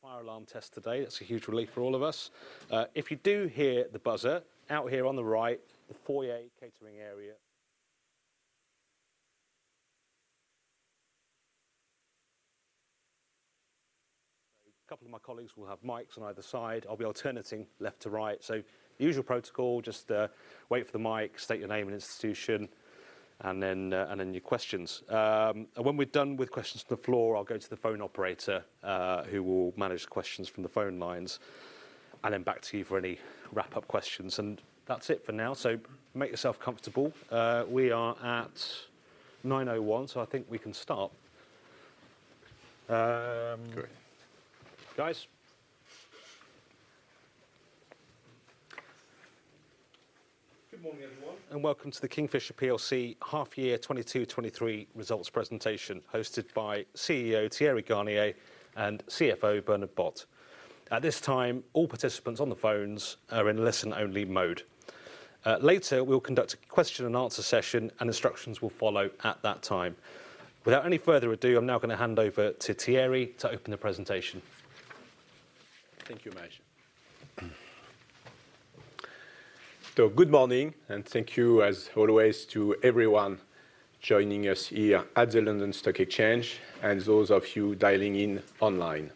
Fire alarm test today. That's a huge relief for all of us. If you do hear the buzzer, out here on the right, the foyer catering area. A couple of my colleagues will have mics on either side. I'll be alternating left to right. Usual protocol, just wait for the mic, state your name and institution, and then your questions. When we're done with questions to the floor, I'll go to the phone operator, who will manage questions from the phone lines, and then back to you for any wrap-up questions. That's it for now. Make yourself comfortable. We are at 9:01, so I think we can start. Great. Guys. Good morning, everyone, and welcome to the Kingfisher plc Half Year 2022/2023 results presentation, hosted by CEO Thierry Garnier and CFO Bernard Bot. At this time, all participants on the phones are in listen-only mode. Later, we'll conduct a question and answer session, and instructions will follow at that time. Without any further ado, I'm now gonna hand over to Thierry to open the presentation. Thank you, Majid. Good morning, and thank you as always to everyone joining us here at the London Stock Exchange and those of you dialing in online.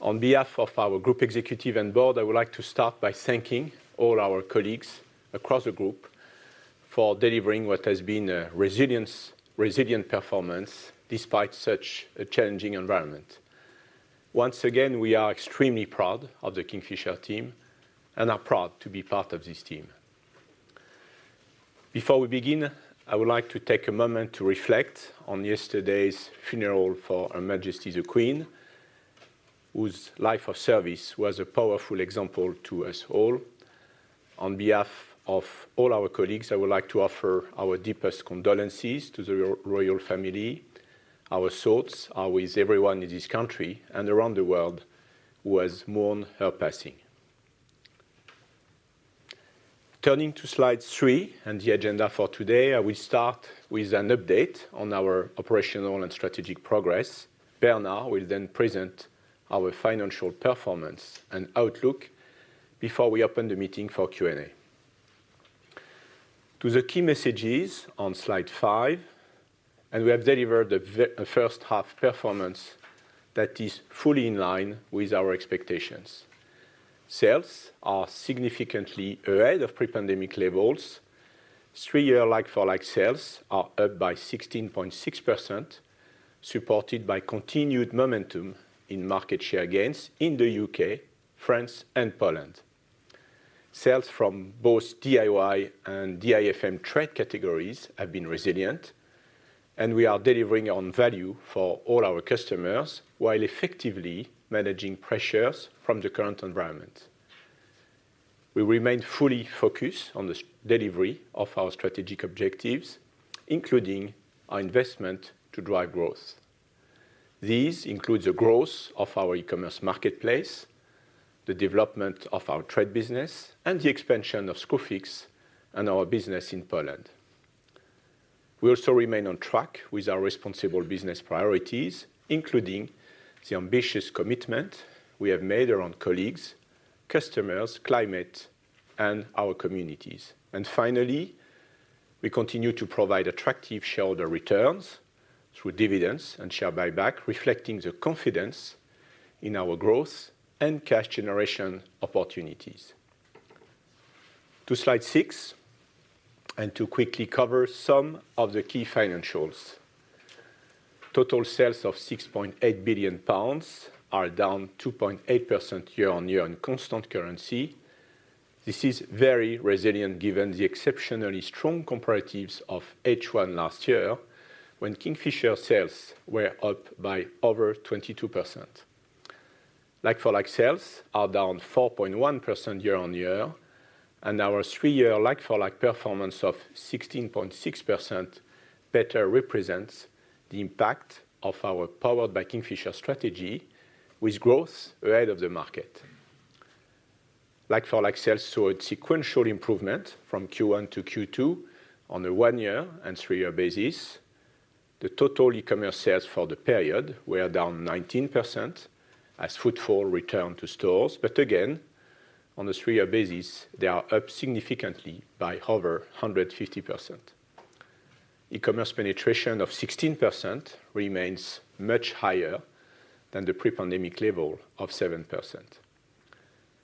On behalf of our group executive and board, I would like to start by thanking all our colleagues across the group for delivering what has been a resilient performance despite such a challenging environment. Once again, we are extremely proud of the Kingfisher team and are proud to be part of this team. Before we begin, I would like to take a moment to reflect on yesterday's funeral for Her Majesty the Queen, whose life of service was a powerful example to us all. On behalf of all our colleagues, I would like to offer our deepest condolences to the royal family. Our thoughts are with everyone in this country and around the world who has mourned her passing. Turning to slide three and the agenda for today, I will start with an update on our operational and strategic progress. Bernard will then present our financial performance and outlook before we open the meeting for Q&A. To the key messages on slide five, and we have delivered the first half performance that is fully in line with our expectations. Sales are significantly ahead of pre-pandemic levels. Three-year like-for-like sales are up by 16.6%, supported by continued momentum in Market share gains in the U.K., France, and Poland. Sales from both DIY and DIFM trade categories have been resilient, and we are delivering on value for all our customers while effectively managing pressures from the current environment. We remain fully focused on the delivery of our strategic objectives, including our investment to drive growth. These include the growth of our e-commerce marketplace, the development of our trade business, and the expansion of Screwfix and our business in Poland. We also remain on track with our responsible business priorities, including the ambitious commitment we have made around colleagues, customers, climate, and our communities. Finally, we continue to provide attractive shareholder returns through dividends and share buyback, reflecting the confidence in our growth and cash generation opportunities. To slide six, and to quickly cover some of the key financials. Total sales of 6.8 billion pounds are down 2.8% year-on-year on constant currency. This is very resilient given the exceptionally strong comparatives of H1 last year, when Kingfisher sales were up by over 22%. Like-for-like sales are down 4.1% year-over-year, and our three-year like-for-like performance of 16.6% better represents the impact of our Powered by Kingfisher strategy with growth ahead of the market. Like-for-like sales saw a sequential improvement from Q1 to Q2 on a one-year and three-year basis. The total e-commerce sales for the period were down 19% as footfall returned to stores. Again, on a three-year basis, they are up significantly by over 150%. E-commerce penetration of 16% remains much higher than the pre-pandemic level of 7%.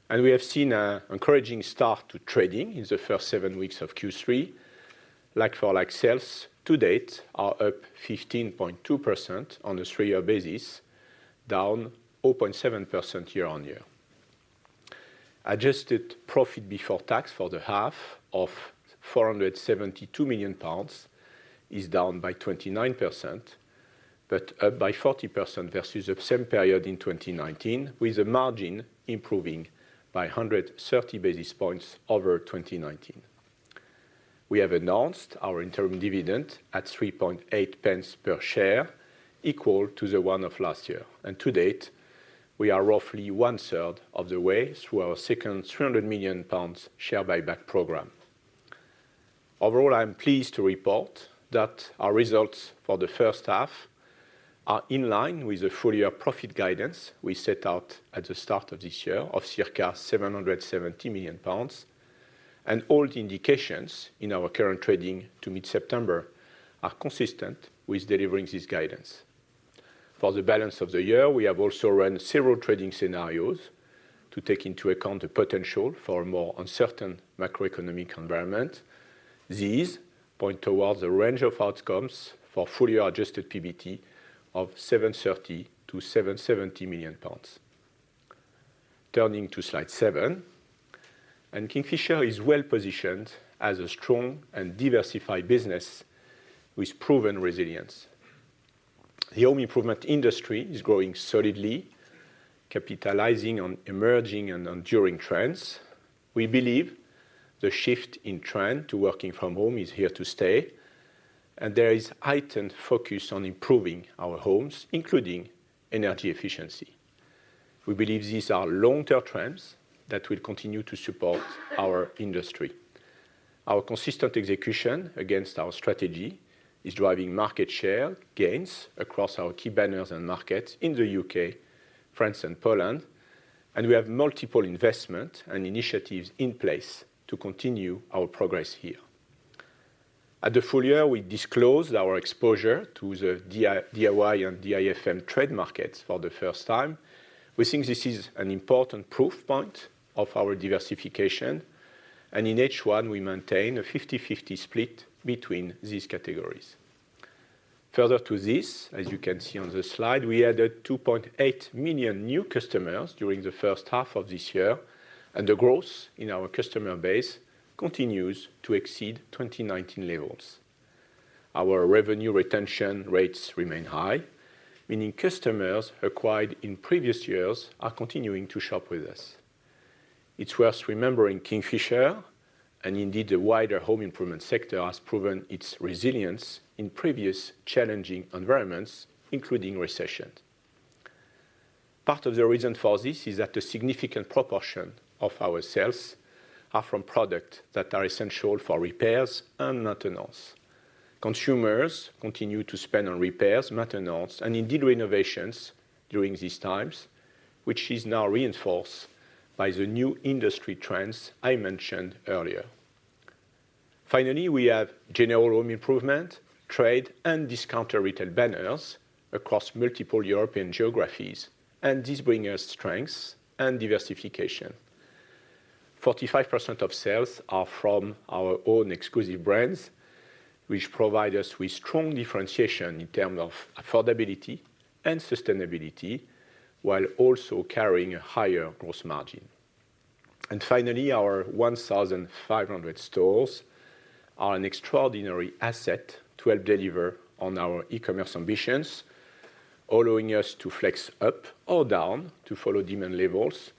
We have seen an encouraging start to trading in the first seven weeks of Q3. Like-for-like sales to date are up 15.2% on a three-year basis, down 0.7% year-over-year. Adjusted profit before tax for the half of 472 million pounds is down by 29%, but up by 40% versus the same period in 2019, with a margin improving by 130 basis points over 2019. We have announced our interim dividend at 3.8 Pence Per share, equal to the one of last year. To date, we are roughly one-third of the way through our second 300 million pounds share buyback program. Overall, I am pleased to report that our results for the first half are in line with the full year profit guidance we set out at the start of this year of circa 770 million pounds. All the indications in our current trading to mid-September are consistent with delivering this guidance. For the balance of the year, we have also run several trading scenarios to take into account the potential for a more uncertain macroeconomic environment. These point towards a range of outcomes for full year adjusted PBT of 730 million-770 million pounds. Turning to slide seven, Kingfisher is well-positioned as a strong and diversified business with proven resilience. The home improvement industry is growing solidly, capitalizing on emerging and enduring trends. We believe the shift in trend to working from home is here to stay, and there is heightened focus on improving our homes, including energy efficiency. We believe these are long-term trends that will continue to support our industry. Our consistent execution against our strategy is driving market share gains across our key banners and markets in the U.K., France and Poland, and we have multiple investment and initiatives in place to continue our progress here. At the full year, we disclosed our exposure to the DIY and DIFM trade markets for the first time. We think this is an important proof point of our diversification, and in H1, we maintain a 50/50 split between these categories. Further to this, as you can see on the slide, we added 2.8 million new customers during the first half of this year, and the growth in our customer base continues to exceed 2019 levels. Our revenue retention rates remain high, meaning customers acquired in previous years are continuing to shop with us. It's worth remembering Kingfisher, and indeed the wider home improvement sector, has proven its resilience in previous challenging environments, including recession. Part of the reason for this is that a significant proportion of our sales are from product that are essential for repairs and maintenance. Consumers continue to spend on repairs, maintenance, and indeed renovations during these times, which is now reinforced by the new industry trends I mentioned earlier. Finally, we have general home improvement, trade, and discounter retail banners across multiple European geographies, and these bring us strengths and diversification. 45% of sales are from our own exclusive brands, which provide us with strong differentiation in terms of affordability and sustainability while also carrying a higher gross margin. Finally, our 1,500 stores are an extraordinary asset to help deliver on our e-commerce ambitions, allowing us to flex up or down to follow demand levels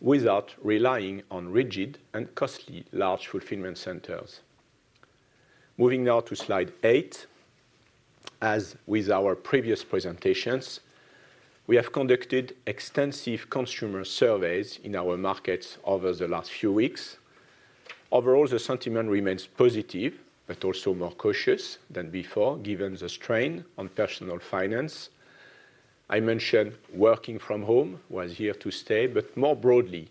without relying on rigid and costly large fulfillment centers. Moving now to slide eight. As with our previous presentations, we have conducted extensive consumer surveys in our markets over the last few weeks. Overall, the sentiment remains positive, but also more cautious than before, given the strain on personal finance. I mentioned working from home was here to stay, but more broadly,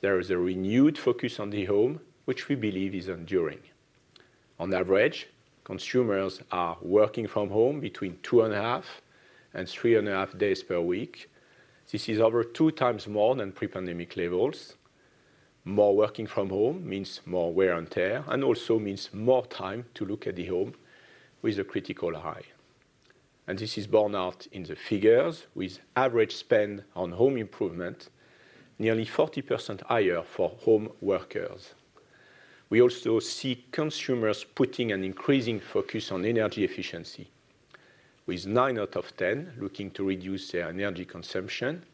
there is a renewed focus on the home, which we believe is enduring. On average, consumers are working from home between two and a half and three and a half days per week. This is over two times more than pre-pandemic levels. More working from home means more wear and tear, and also means more time to look at the home with a critical eye. This is borne out in the figures with average spend on home improvement nearly 40% higher for home workers. We also see consumers putting an increasing focus on energy efficiency, with 9 out of 10 looking to reduce their energy consumption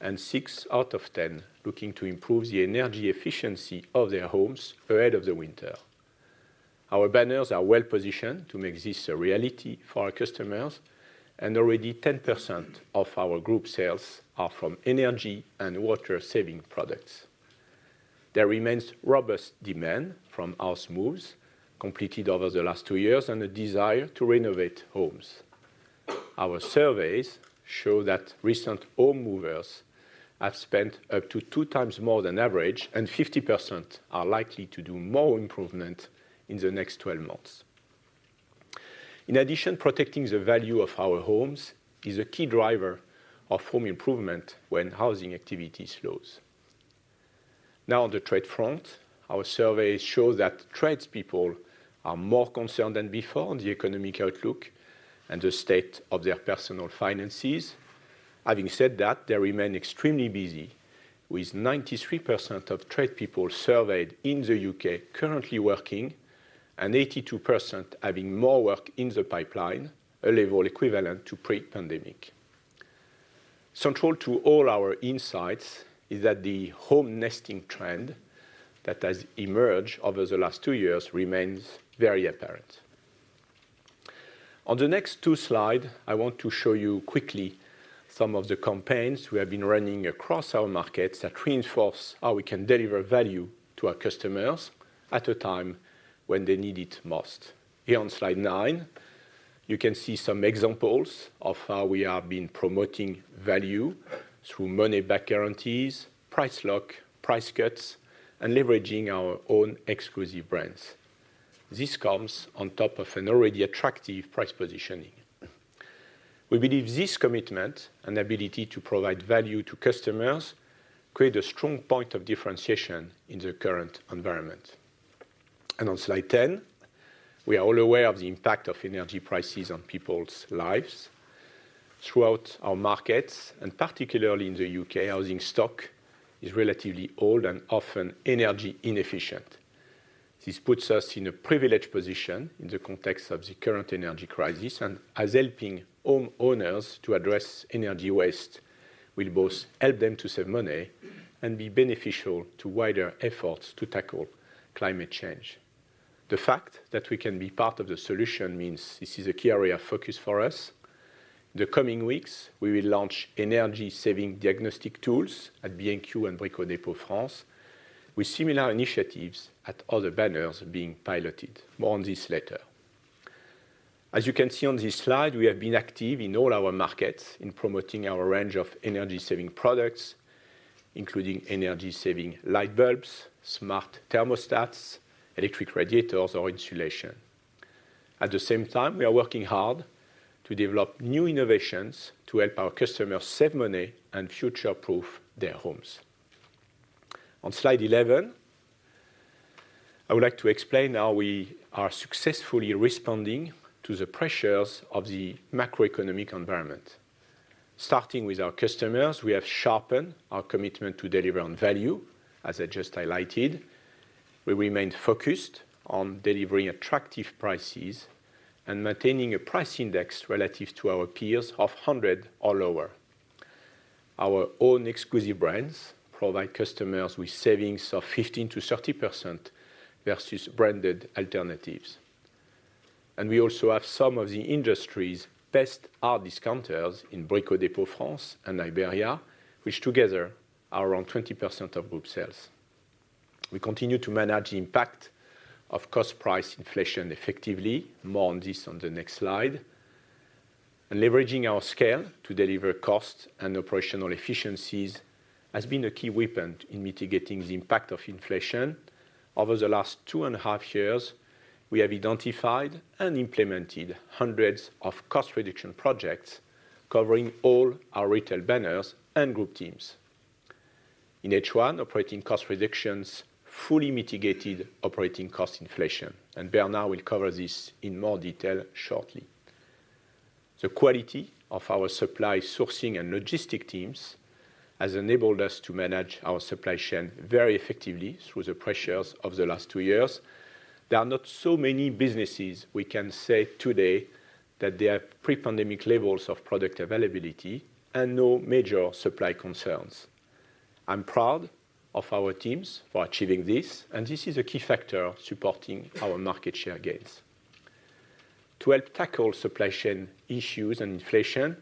and 6 out of 10 looking to improve the energy efficiency of their homes ahead of the winter. Our banners are well-positioned to make this a reality for our customers, and already 10% of our group sales are from energy and water saving products. There remains robust demand from house moves completed over the last two years and a desire to renovate homes. Our surveys show that recent home movers have spent up to 2x more than average, and 50% are likely to do more improvement in the next 12 months. In addition, protecting the value of our homes is a key driver of home improvement when housing activity slows. Now on the trade front, our surveys show that tradespeople are more concerned than before on the economic outlook and the state of their personal finances. Having said that, they remain extremely busy, with 93% of tradespeople surveyed in the U.K. currently working and 82% having more work in the pipeline, a level equivalent to pre-pandemic. Central to all our insights is that the home nesting trend that has emerged over the last two years remains very apparent. On the next two slides, I want to show you quickly some of the campaigns we have been running across our markets that reinforce how we can deliver value to our customers at a time when they need it most. Here on slide nine, you can see some examples of how we have been promoting value through money back guarantees, price lock, price cuts, and leveraging our own exclusive brands. This comes on top of an already attractive price positioning. We believe this commitment and ability to provide value to customers create a strong point of differentiation in the current environment. On slide 10, we are all aware of the impact of energy prices on people's lives throughout our markets, and particularly in the U.K., housing stock is relatively old and often energy inefficient. This puts us in a privileged position in the context of the current energy crisis and as helping home owners to address energy waste will both help them to save money and be beneficial to wider efforts to tackle climate change. The fact that we can be part of the solution means this is a key area of focus for us. The coming weeks, we will launch energy saving diagnostic tools at B&Q and Brico Dépôt France with similar initiatives at other banners being piloted. More on this later. As you can see on this slide, we have been active in all our markets in promoting our range of energy saving products, including energy saving light bulbs, smart thermostats, electric radiators or insulation. At the same time, we are working hard to develop new innovations to help our customers save money and future-proof their homes. On slide 11, I would like to explain how we are successfully responding to the pressures of the macroeconomic environment. Starting with our customers, we have sharpened our commitment to deliver on value, as I just highlighted. We remain focused on delivering attractive prices and maintaining a price index relative to our peers of 100 or lower. Our own exclusive brands provide customers with savings of 15%-30% versus branded alternatives. We also have some of the industry's best hard discounters in Brico Dépôt France and Iberia, which together are around 20% of group sales. We continue to manage the impact of cost price inflation effectively. More on this on the next slide. Leveraging our scale to deliver cost and operational efficiencies has been a key weapon in mitigating the impact of inflation. Over the last two and a half years, we have identified and implemented hundreds of cost reduction projects covering all our retail banners and group teams. In H1, operating cost reductions fully mitigated operating cost inflation, and Bernard will cover this in more detail shortly. The quality of our supply sourcing and logistics teams has enabled us to manage our supply chain very effectively through the pressures of the last two years. There are not so many businesses we can say today that they have pre-pandemic levels of product availability and no major supply concerns. I'm proud of our teams for achieving this, and this is a key factor supporting our market share gains. To help tackle supply chain issues and inflation,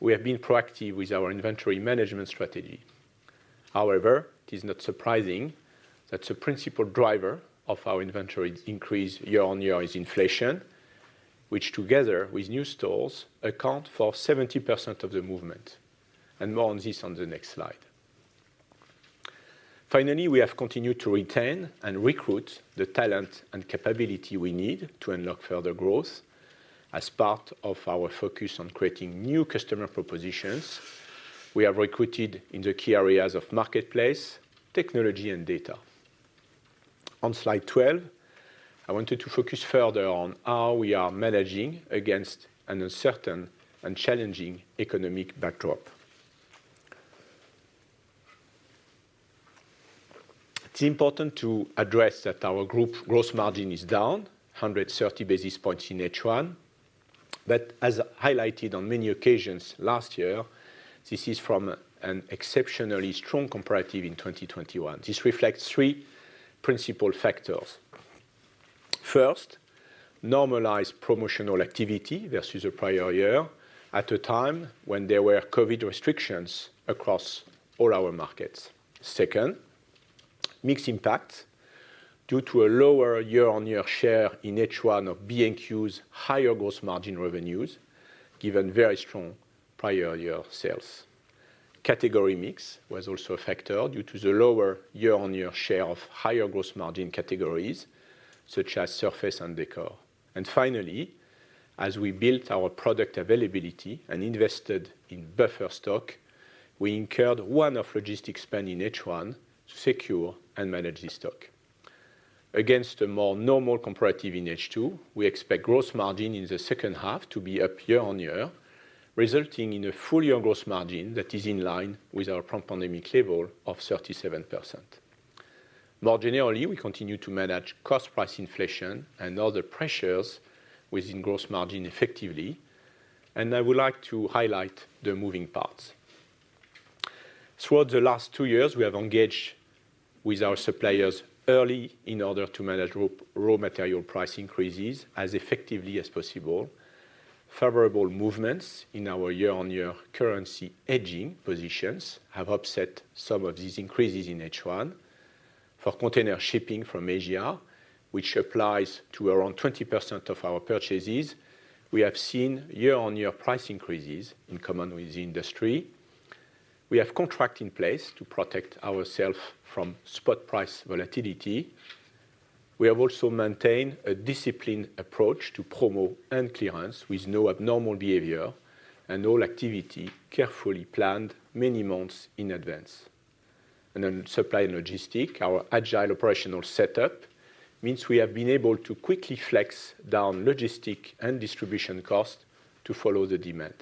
we have been proactive with our inventory management strategy. However, it is not surprising that the principal driver of our inventory increase year on year is inflation, which together with new stores account for 70% of the movement. More on this on the next slide. Finally, we have continued to retain and recruit the talent and capability we need to unlock further growth. As part of our focus on creating new customer propositions, we have recruited in the key areas of marketplace, technology and data. On slide 12, I wanted to focus further on how we are managing against an uncertain and challenging economic backdrop. It's important to address that our group gross margin is down 130 basis points in H1. As highlighted on many occasions last year, this is from an exceptionally strong comparative in 2021. This reflects three principal factors. First, normalized promotional activity versus the prior year at a time when there were COVID restrictions across all our markets. Second, mixed impact due to a lower year-on-year share in H1 of B&Q's higher gross margin revenues, given very strong prior year sales. Category mix was also a factor due to the lower year-on-year share of higher gross margin categories such as surface and decor. Finally, as we built our product availability and invested in buffer stock, we incurred one-off logistics spend in H1 to secure and manage this stock. Against a more normal comparative in H2, we expect gross margin in the second half to be up year-on-year, resulting in a full year gross margin that is in line with our pre-pandemic level of 37%. More generally, we continue to manage cost price inflation and other pressures within gross margin effectively. I would like to highlight the moving parts. Throughout the last two years, we have engaged with our suppliers early in order to manage raw material price increases as effectively as possible. Favorable movements in our year-on-year currency hedging positions have offset some of these increases in H1. For container shipping from Asia, which applies to around 20% of our purchases, we have seen year-on-year price increases in common with the industry. We have contracts in place to protect ourselves from spot price volatility. We have also maintained a disciplined approach to promo and clearance with no abnormal behavior and all activity carefully planned many months in advance. Supply and logistics, our agile operational setup means we have been able to quickly flex down logistics and distribution costs to follow the demand.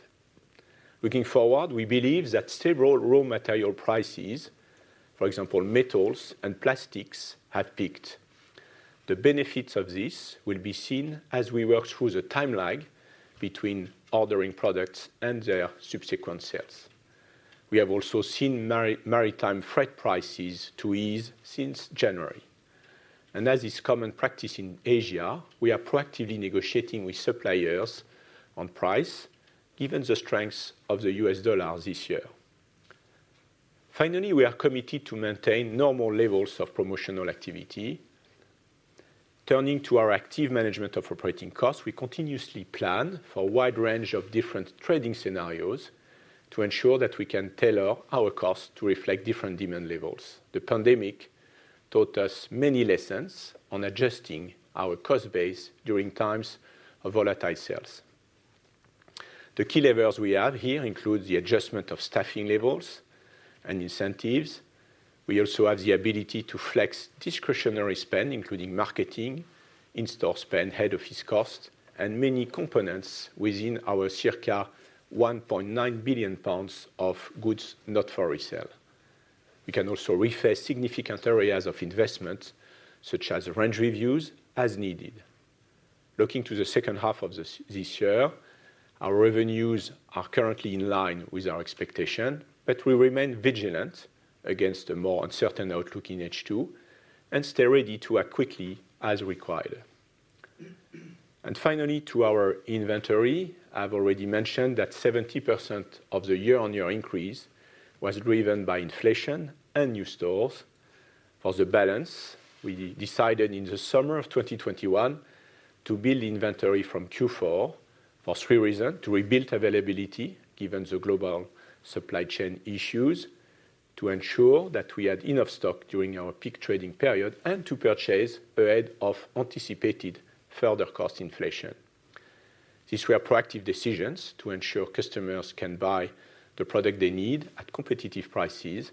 Looking forward, we believe that several raw material prices, for example, metals and plastics, have peaked. The benefits of this will be seen as we work through the timeline between ordering products and their subsequent sales. We have also seen maritime freight prices to ease since January. As is common practice in Asia, we are proactively negotiating with suppliers on price, given the strengths of the US dollar this year. Finally, we are committed to maintain normal levels of promotional activity. Turning to our active management of operating costs, we continuously plan for a wide range of different trading scenarios to ensure that we can tailor our costs to reflect different demand levels. The pandemic taught us many lessons on adjusting our cost base during times of volatile sales. The key levers we have here include the adjustment of staffing levels and incentives. We also have the ability to flex discretionary spend, including marketing, in-store spend, head office cost, and many components within our circa 1.9 billion pounds of goods not for resale. We can also rephase significant areas of investment, such as range reviews, as needed. Looking to the second half of this year, our revenues are currently in line with our expectation, but we remain vigilant against a more uncertain outlook in H2 and stay ready to act quickly as required. Finally, to our inventory. I've already mentioned that 70% of the year-on-year increase was driven by inflation and new stores. For the balance, we decided in the summer of 2021 to build inventory from Q4 for three reasons. To rebuild availability given the global supply chain issues, to ensure that we had enough stock during our peak trading period, and to purchase ahead of anticipated further cost inflation. These were proactive decisions to ensure customers can buy the product they need at competitive prices,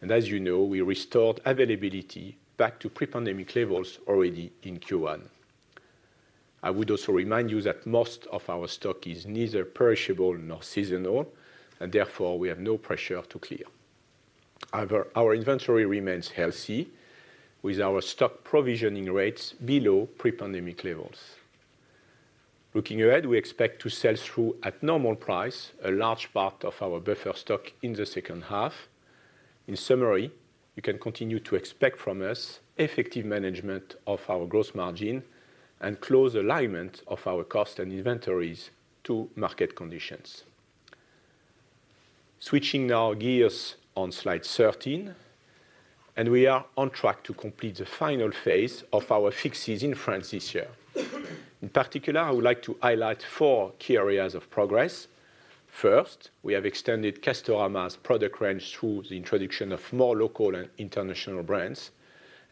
and as you know, we restored availability back to pre-pandemic levels already in Q1. I would also remind you that most of our stock is neither perishable nor seasonal, and therefore we have no pressure to clear. Our inventory remains healthy with our stock provisioning rates below pre-pandemic levels. Looking ahead, we expect to sell through at normal price a large part of our buffer stock in the second half. In summary, you can continue to expect from us effective management of our gross margin and close alignment of our cost and inventories to market conditions. Switching gears now on slide 13. We are on track to complete the final phase of our fixes in France this year. In particular, I would like to highlight four key areas of progress. First, we have extended Castorama's product range through the introduction of more local and international brands.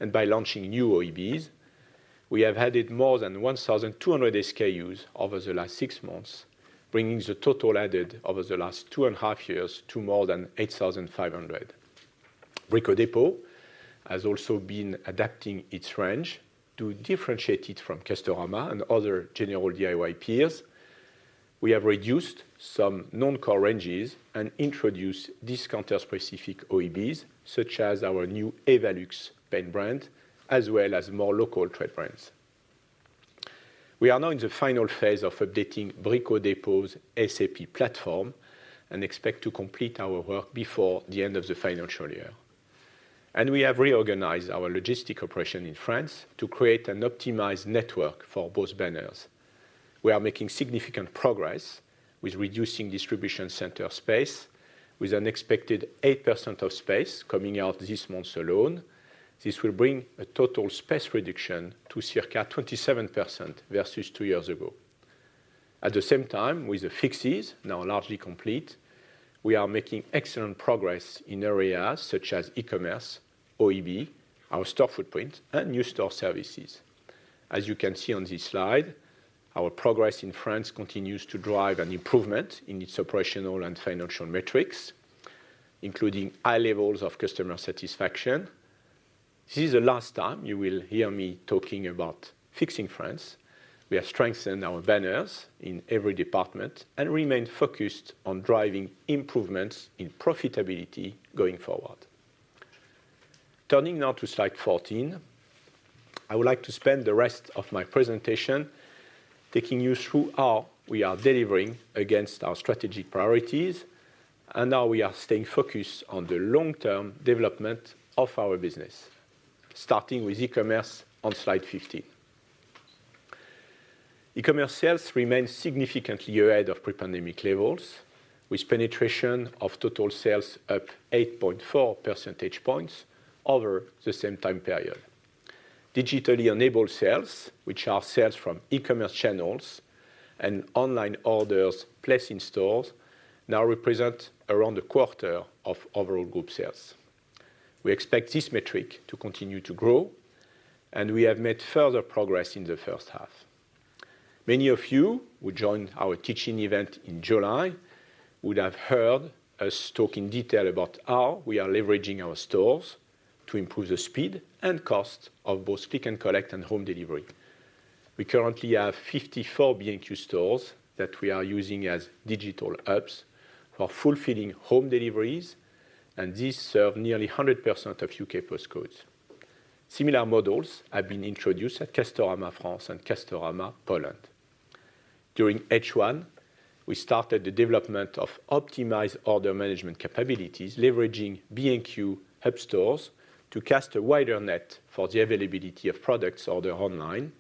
By launching new OEBs, we have added more than 1,200 SKUs over the last six months, bringing the total added over the last two and a half years to more than 8,500. Brico Dépôt has also been adapting its range to differentiate it from Castorama and other general DIY peers. We have reduced some non-core ranges and introduced discounter-specific OEBs, such as our new Evalux brand, as well as more local trade brands. We are now in the final phase of updating Brico Dépôt's SAP platform and expect to complete our work before the end of the financial year. We have reorganized our logistics operation in France to create an optimized network for both banners. We are making significant progress with reducing distribution center space with an expected 8% of space coming out this month alone. This will bring a total space reduction to circa 27% versus two years ago. At the same time, with the fixes now largely complete, we are making excellent progress in areas such as e-commerce, OEB, our store footprint, and new store services. As you can see on this slide, our progress in France continues to drive an improvement in its operational and financial metrics, including high levels of customer satisfaction. This is the last time you will hear me talking about fixing France. We have strengthened our banners in every department and remain focused on driving improvements in profitability going forward. Turning now to slide 14, I would like to spend the rest of my presentation taking you through how we are delivering against our strategic priorities and how we are staying focused on the long-term development of our business, starting with e-commerce on slide 15. E-commerce sales remain significantly ahead of pre-pandemic levels, with penetration of total sales up 8.4 percentage points over the same time period. Digitally enabled sales, which are sales from e-commerce channels and online orders placed in stores, now represent around a quarter of overall group sales. We expect this metric to continue to grow, and we have made further progress in the first half. Many of you who joined our teaching event in July would have heard us talk in detail about how we are leveraging our stores to improve the speed and cost of both click and collect and home delivery. We currently have 54 B&Q stores that we are using as digital hubs for fulfilling home deliveries, and these serve nearly 100% of U.K. postcodes. Similar models have been introduced at Castorama France and Castorama Poland. During H1, we started the development of optimized order management capabilities, leveraging B&Q hub stores to cast a wider net for the availability of products ordered online,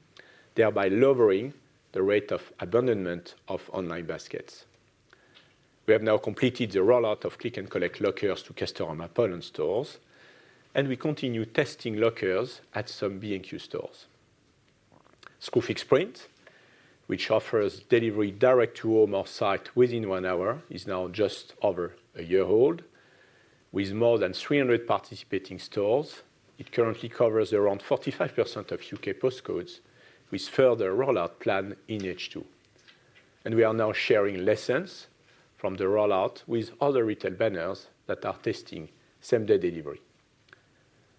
thereby lowering the rate of abandonment of online baskets. We have now completed the rollout of click and collect lockers to Castorama Poland stores, and we continue testing lockers at some B&Q stores. Screwfix Sprint, which offers delivery direct to home or site within one hour, is now just over a year old. With more than 300 participating stores, it currently covers around 45% of UK postcodes, with further rollout plan in H2. We are now sharing lessons from the rollout with other retail banners that are testing same-day delivery.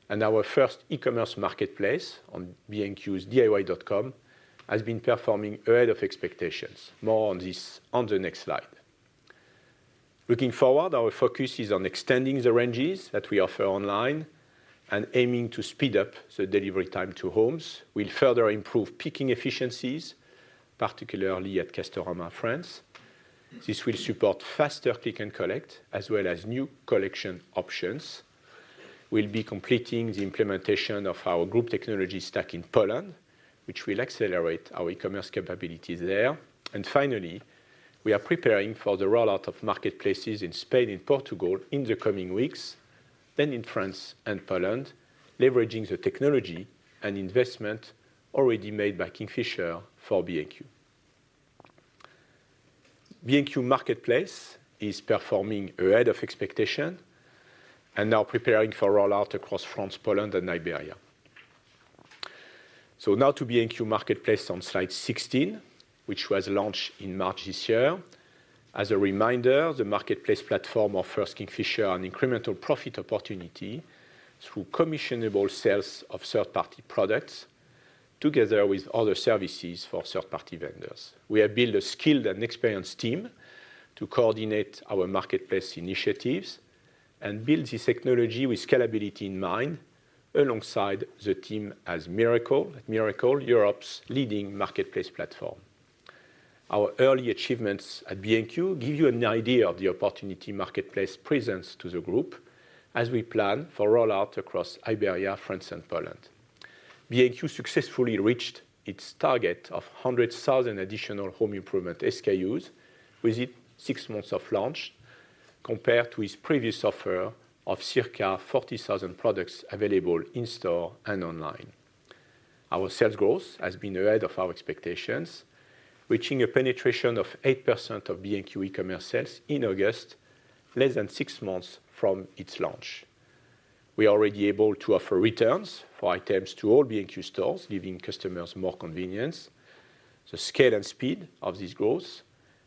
Our first e-commerce marketplace on diy.com has been performing ahead of expectations. More on this on the next slide. Looking forward, our focus is on extending the ranges that we offer online and aiming to speed up the delivery time to homes. We'll further improve picking efficiencies, particularly at Castorama France. This will support faster click and collect, as well as new collection options. We'll be completing the implementation of our group technology stack in Poland, which will accelerate our e-commerce capabilities there. Finally, we are preparing for the rollout of marketplaces in Spain and Portugal in the coming weeks, then in France and Poland, leveraging the technology and investment already made by Kingfisher for B&Q. B&Q Marketplace is performing ahead of expectation and now preparing for rollout across France, Poland, and Iberia. Now to B&Q Marketplace on slide 16, which was launched in March this year. As a reminder, the marketplace platform offers Kingfisher an incremental profit opportunity through commissionable sales of third-party products together with other services for third-party vendors. We have built a skilled and experienced team to coordinate our marketplace initiatives and build this technology with scalability in mind alongside the team at Mirakl, Europe's leading marketplace platform. Our early achievements at B&Q give you an idea of the opportunity marketplace presents to the group as we plan for rollout across Iberia, France, and Poland. B&Q successfully reached its target of 100,000 additional home improvement SKUs within 6 months of launch, compared to its previous offer of circa 40,000 products available in-store and online. Our sales growth has been ahead of our expectations, reaching a penetration of 8% of B&Q e-commerce sales in August, less than 6 months from its launch. We are already able to offer returns for items to all B&Q stores, giving customers more convenience. The scale and speed of this growth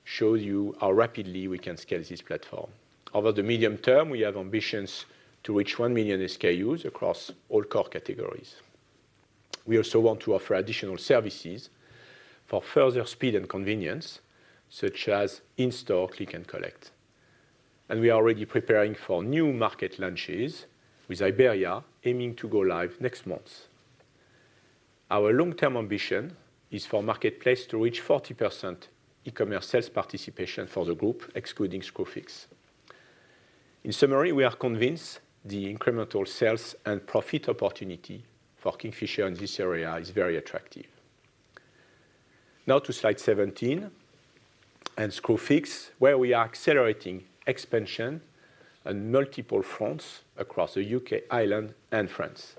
shows you how rapidly we can scale this platform. Over the medium term, we have ambitions to reach 1 million SKUs across all core categories. We also want to offer additional services for further speed and convenience, such as in-store click and collect. We are already preparing for new market launches, with Iberia aiming to go live next month. Our long-term ambition is for Marketplace to reach 40% e-commerce sales participation for the group, excluding Screwfix. In summary, we are convinced the incremental sales and profit opportunity for Kingfisher in this area is very attractive. Now to slide 17 and Screwfix, where we are accelerating expansion on multiple fronts across the U.K., Ireland, and France.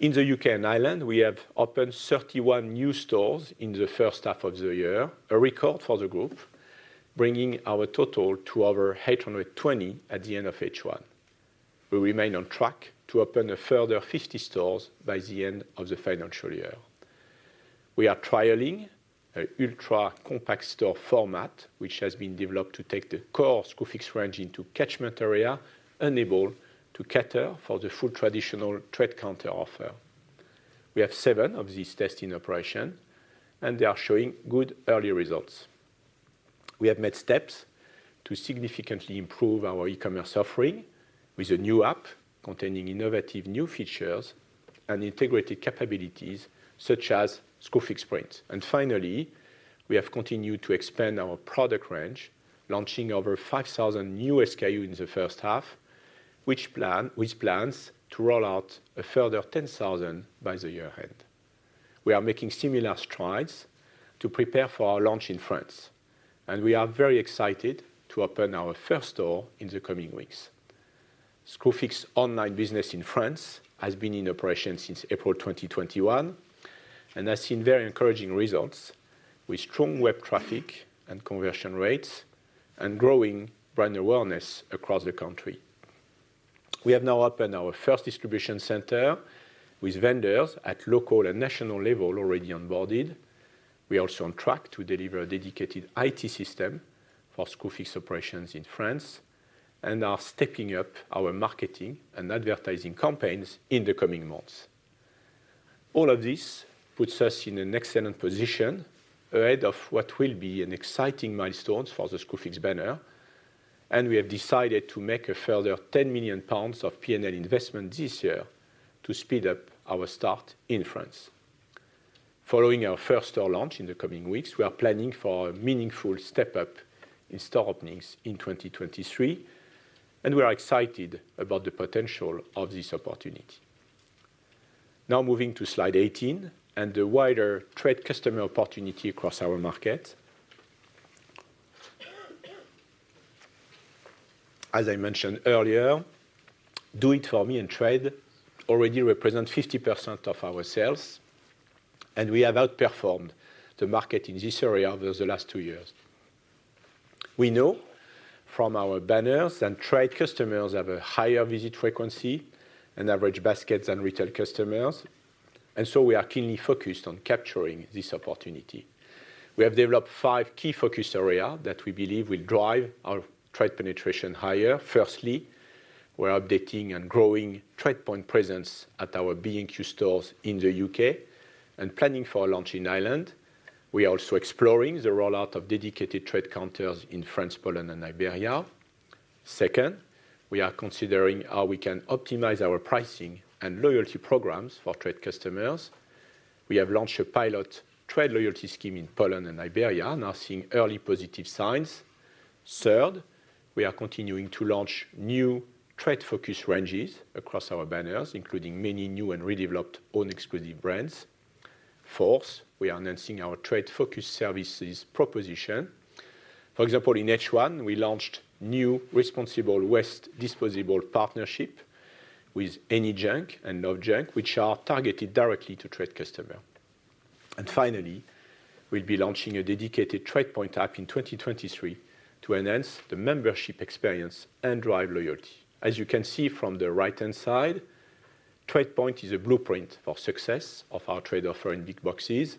In the U.K. and Ireland, we have opened 31 new stores in the first half of the year, a record for the group, bringing our total to over 820 at the end of H1. We remain on track to open a further 50 stores by the end of the financial year. We are trialing an ultra-compact store format, which has been developed to take the core Screwfix range into catchment areas unable to cater for the full traditional trade counter offering. We have seven of these tests in operation, and they are showing good early results. We have made steps to significantly improve our e-commerce offering with a new app containing innovative new features and integrated capabilities such as Screwfix Sprints. Finally, we have continued to expand our product range, launching over 5,000 new SKUs in the first half, with plans to roll out a further 10,000 by the year end. We are making similar strides to prepare for our launch in France, and we are very excited to open our first store in the coming weeks. Screwfix online business in France has been in operation since April 2021, and has seen very encouraging results with strong web traffic and conversion rates and growing brand awareness across the country. We have now opened our first distribution center with vendors at local and national level already onboarded. We are also on track to deliver a dedicated IT system for Screwfix operations in France and are stepping up our marketing and advertising campaigns in the coming months. All of this puts us in an excellent position ahead of what will be an exciting milestones for the Screwfix banner, and we have decided to make a further 10 million pounds of P&L investment this year to speed up our start in France. Following our first store launch in the coming weeks, we are planning for a meaningful step up in store openings in 2023, and we are excited about the potential of this opportunity. Now moving to slide 18 and the wider Trade customer opportunity across our market. As I mentioned earlier, Do It For Me and Trade already represent 50% of our sales, and we have outperformed the market in this area over the last two years. We know from our banners that Trade customers have a higher visit frequency and average baskets than retail customers, and so we are keenly focused on capturing this opportunity. We have developed five key focus area that we believe will drive our Trade penetration higher. Firstly, we're updating and growing TradePoint presence at our B&Q stores in the U.K. and planning for a launch in Ireland. We are also exploring the rollout of dedicated Trade counters in France, Poland and Iberia. Second, we are considering how we can optimize our pricing and loyalty programs for Trade customers. We have launched a pilot Trade loyalty scheme in Poland and Iberia, now seeing early positive signs. Third, we are continuing to launch new Trade-focused ranges across our banners, including many new and redeveloped Own Exclusive Brands. Fourth, we are enhancing our Trade-focused services proposition. For example, in H1, we launched new Responsible Waste Disposal partnership with AnyJunk and No Junk, which are targeted directly to TradePoint customer. Finally, we'll be launching a dedicated TradePoint app in 2023 to enhance the membership experience and drive loyalty. As you can see from the right-hand side, TradePoint is a blueprint for success of our Trade offer in big boxes.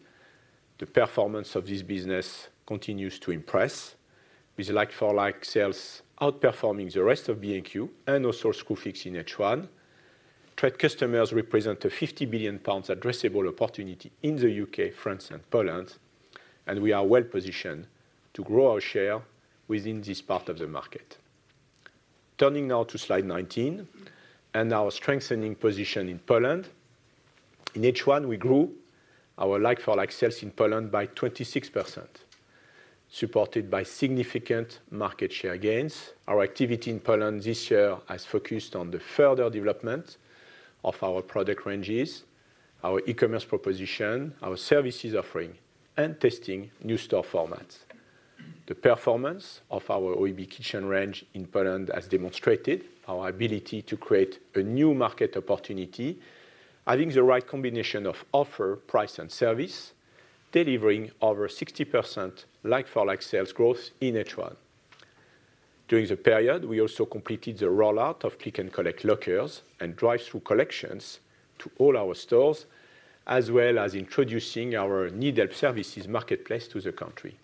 The performance of this business continues to impress with like-for-like sales outperforming the rest of B&Q and also Screwfix in H1. TradePoint customers represent a 50 billion pounds addressable opportunity in the U.K., France and Poland, and we are well-positioned to grow our share within this part of the market. Turning now to slide 19 and our strengthening position in Poland. In H1, we grew our like-for-like sales in Poland by 26%, supported by significant market share gains. Our activity in Poland this year has focused on the further development of our product ranges, our e-commerce proposition, our services offering and testing new store formats. The performance of our OEB kitchen range in Poland has demonstrated our ability to create a new market opportunity, adding the right combination of offer, price and service, delivering over 60% like-for-like sales growth in H1. During the period, we also completed the rollout of click and collect lockers and drive-through collections to all our stores, as well as introducing our NeedHelp services marketplace to the country.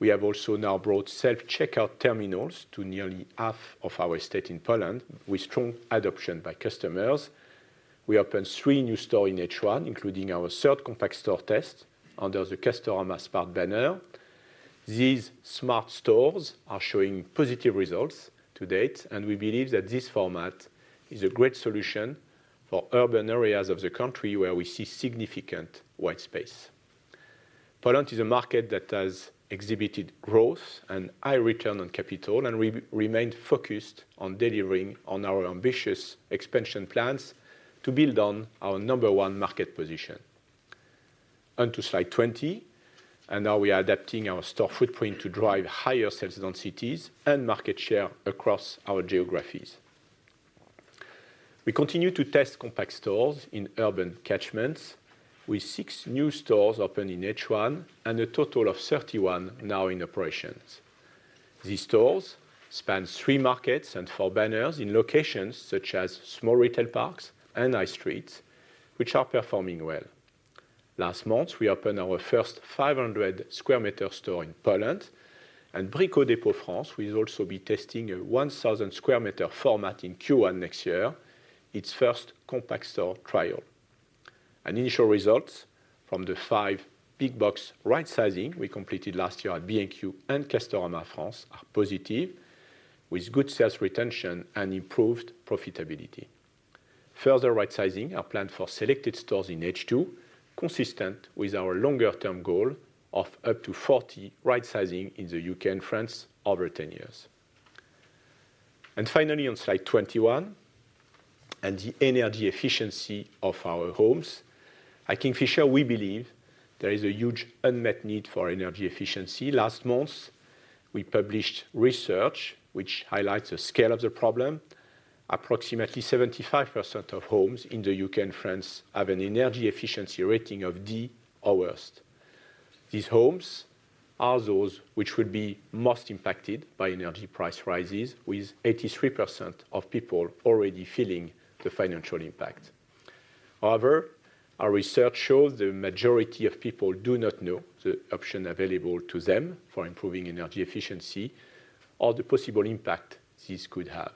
We have also now brought self-checkout terminals to nearly half of our estate in Poland, with strong adoption by customers. We opened three new stores in H1, including our third compact store test under the Castorama Spark banner. These smart stores are showing positive results to date, and we believe that this format is a great solution for urban areas of the country where we see significant white space. Poland is a market that has exhibited growth and high return on capital, and we remain focused on delivering on our ambitious expansion plans to build on our number one market position. On to slide 20, and now we are adapting our store footprint to drive higher sales densities and market share across our geographies. We continue to test compact stores in urban catchments, with six new stores opened in H1 and a total of 31 now in operations. These stores span three markets and four banners in locations such as small retail parks and high streets, which are performing well. Last month, we opened our first 500 sq m store in Poland, and Brico Dépôt France will also be testing a 1,000 sq m format in Q1 next year, its first compact store trial. Initial results from the five big box rightsizing we completed. Last year at B&Q and Castorama France are positive, with good sales retention and improved profitability. Further rightsizing are planned for selected stores in H2, consistent with our longer-term goal of up to 40 rightsizing in the U.K. and France over ten years. Finally, on Slide 21, the energy efficiency of our homes. At Kingfisher, we believe there is a huge unmet need for energy efficiency. Last month, we published research which highlights the scale of the problem. Approximately 75% of homes in the U.K. and France have an energy efficiency rating of D or worse. These homes are those which would be most impacted by energy price rises, with 83% of people already feeling the financial impact. However, our research shows the majority of people do not know the option available to them for improving energy efficiency or the possible impact this could have.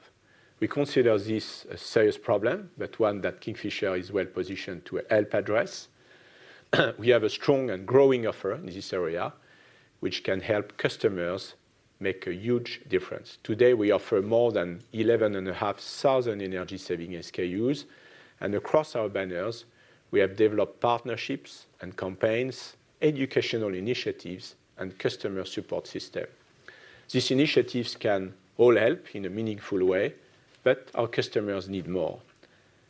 We consider this a serious problem, but one that Kingfisher is well-positioned to help address. We have a strong and growing offer in this area, which can help customers make a huge difference. Today, we offer more than 11,500 energy-saving SKUs. Across our banners, we have developed partnerships and campaigns, educational initiatives, and customer support systems. These initiatives can all help in a meaningful way, but our customers need more.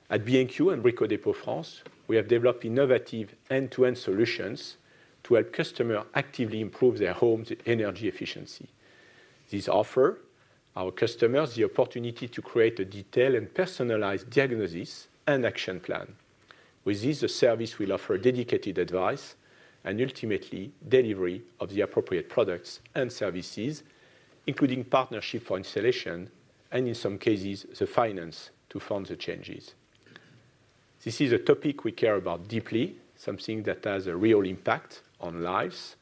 At B&Q and Brico Dépôt France, we have developed innovative end-to-end solutions to help customers actively improve their homes' energy efficiency. This offers our customers the opportunity to create a detailed and personalized diagnosis and action plan. With this, the service will offer dedicated advice and, ultimately, delivery of the appropriate products and services, including partnership for installation and, in some cases, the finance to fund the changes. This is a topic we care about deeply, something that has a real impact on lives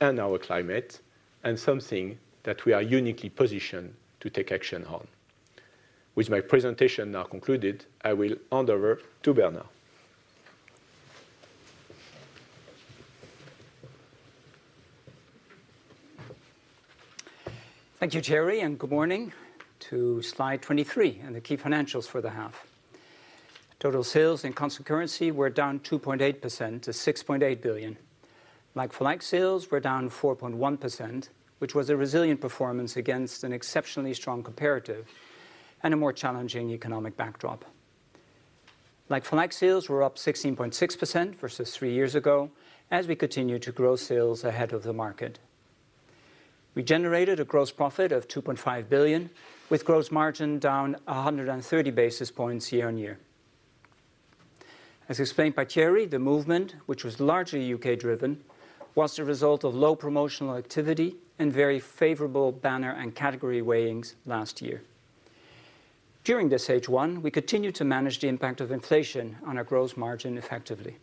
and our climate, and something that we are uniquely positioned to take action on. With my presentation now concluded, I will hand over to Bernard. Thank you, Thierry, and good morning. To Slide 23 and the key financials for the half. Total sales in constant currency were down 2.8% to 6.8 billion. Like-for-like sales were down 4.1%, which was a resilient performance against an exceptionally strong comparative and a more challenging economic backdrop. Like-for-like sales were up 16.6% versus three years ago as we continue to grow sales ahead of the market. We generated a gross profit of 2.5 billion, with gross margin down 130 basis points year-on-year. As explained by Thierry, the movement, which was largely U.K.-driven, was the result of low promotional activity and very favorable banner and category weightings last year. During this H1, we continued to manage the impact of inflation on our gross margin effectively.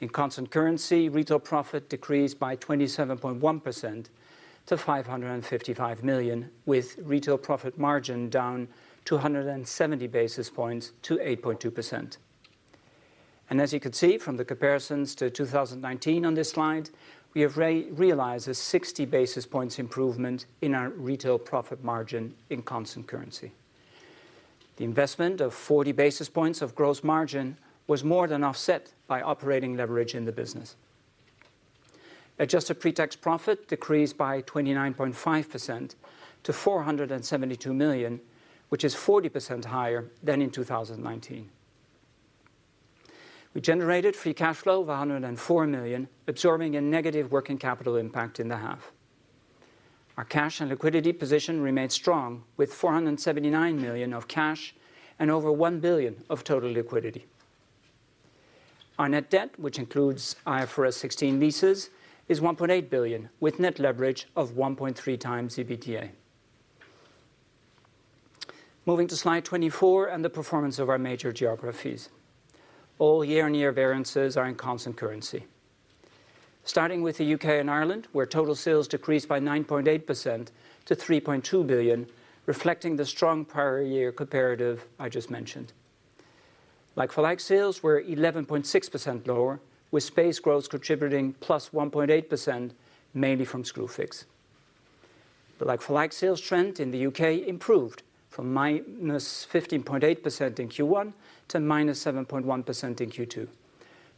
In constant currency, retail profit decreased by 27.1% to 555 million, with retail profit margin down 270 basis points to 8.2%. As you can see from the comparisons to 2019 on this slide, we have realized a 60 basis points improvement in our retail profit margin in constant currency. The investment of 40 basis points of gross margin was more than offset by operating leverage in the business. Adjusted pre-tax profit decreased by 29.5% to 472 million, which is 40% higher than in 2019. We generated free cash flow of 104 million, absorbing a negative working capital impact in the half. Our cash and liquidity position remains strong, with 479 million of cash and over 1 billion of total liquidity. Our net debt, which includes IFRS 16 leases, is 1.8 billion, with net leverage of 1.3x EBITDA. Moving to Slide 24 and the performance of our major geographies. All year-on-year variances are in constant currency. Starting with the U.K. and Ireland, where total sales decreased by 9.8% to 3.2 billion, reflecting the strong prior year comparative I just mentioned. Like-for-like sales were 11.6% lower, with space growth contributing +1.8% mainly from Screwfix. The like-for-like sales trend in the U.K. improved from -15.8% in Q1 to -7.1% in Q2,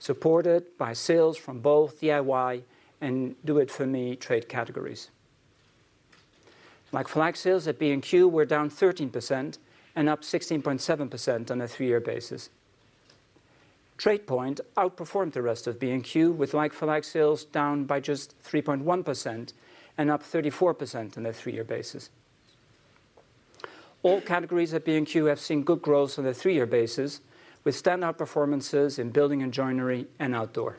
supported by sales from both DIY and Do It For Me trade categories. Like-for-like sales at B&Q were down 13% and up 16.7% on a three-year basis. TradePoint outperformed the rest of B&Q, with like-for-like sales down by just 3.1% and up 34% on a three-year basis. All categories at B&Q have seen good growth on a three-year basis, with standout performances in building and joinery and outdoor.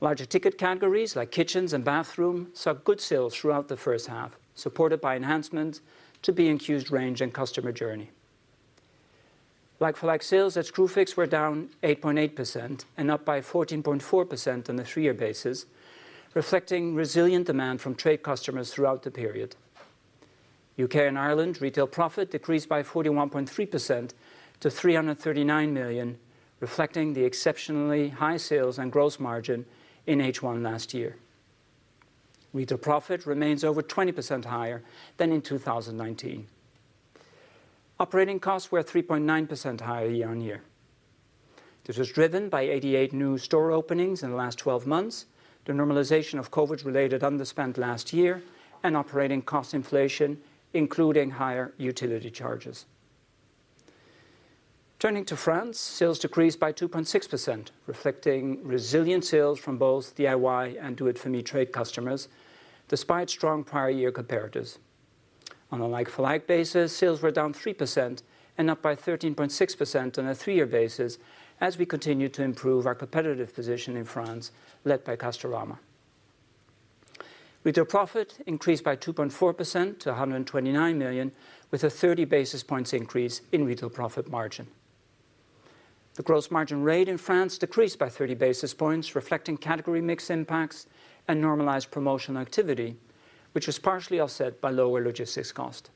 Larger ticket categories, like kitchens and bathroom, saw good sales throughout the first half, supported by enhancements to B&Q's range and customer journey. Like-for-like sales at Screwfix were down 8.8% and up by 14.4% on a three-year basis, reflecting resilient demand from trade customers throughout the period. U.K. and Ireland retail profit decreased by 41.3% to 339 million, reflecting the exceptionally high sales and gross margin in H1 last year. Retail profit remains over 20% higher than in 2019. Operating costs were 3.9% higher year-on-year. This was driven by 88 new store openings in the last 12 months, the normalization of COVID related underspend last year and operating cost inflation, including higher utility charges. Turning to France, sales decreased by 2.6%, reflecting resilient sales from both DIY and do it for me trade customers despite strong prior year comparatives. On a like-for-like basis, sales were down 3% and up by 13.6% on a three-year basis as we continue to improve our competitive position in France, led by Castorama. Retail profit increased by 2.4% to 129 million, with a thirty basis points increase in retail profit margin. The gross margin rate in France decreased by 30 basis points, reflecting category mix impacts and normalized promotional activity, which was partially offset by lower logistics cost.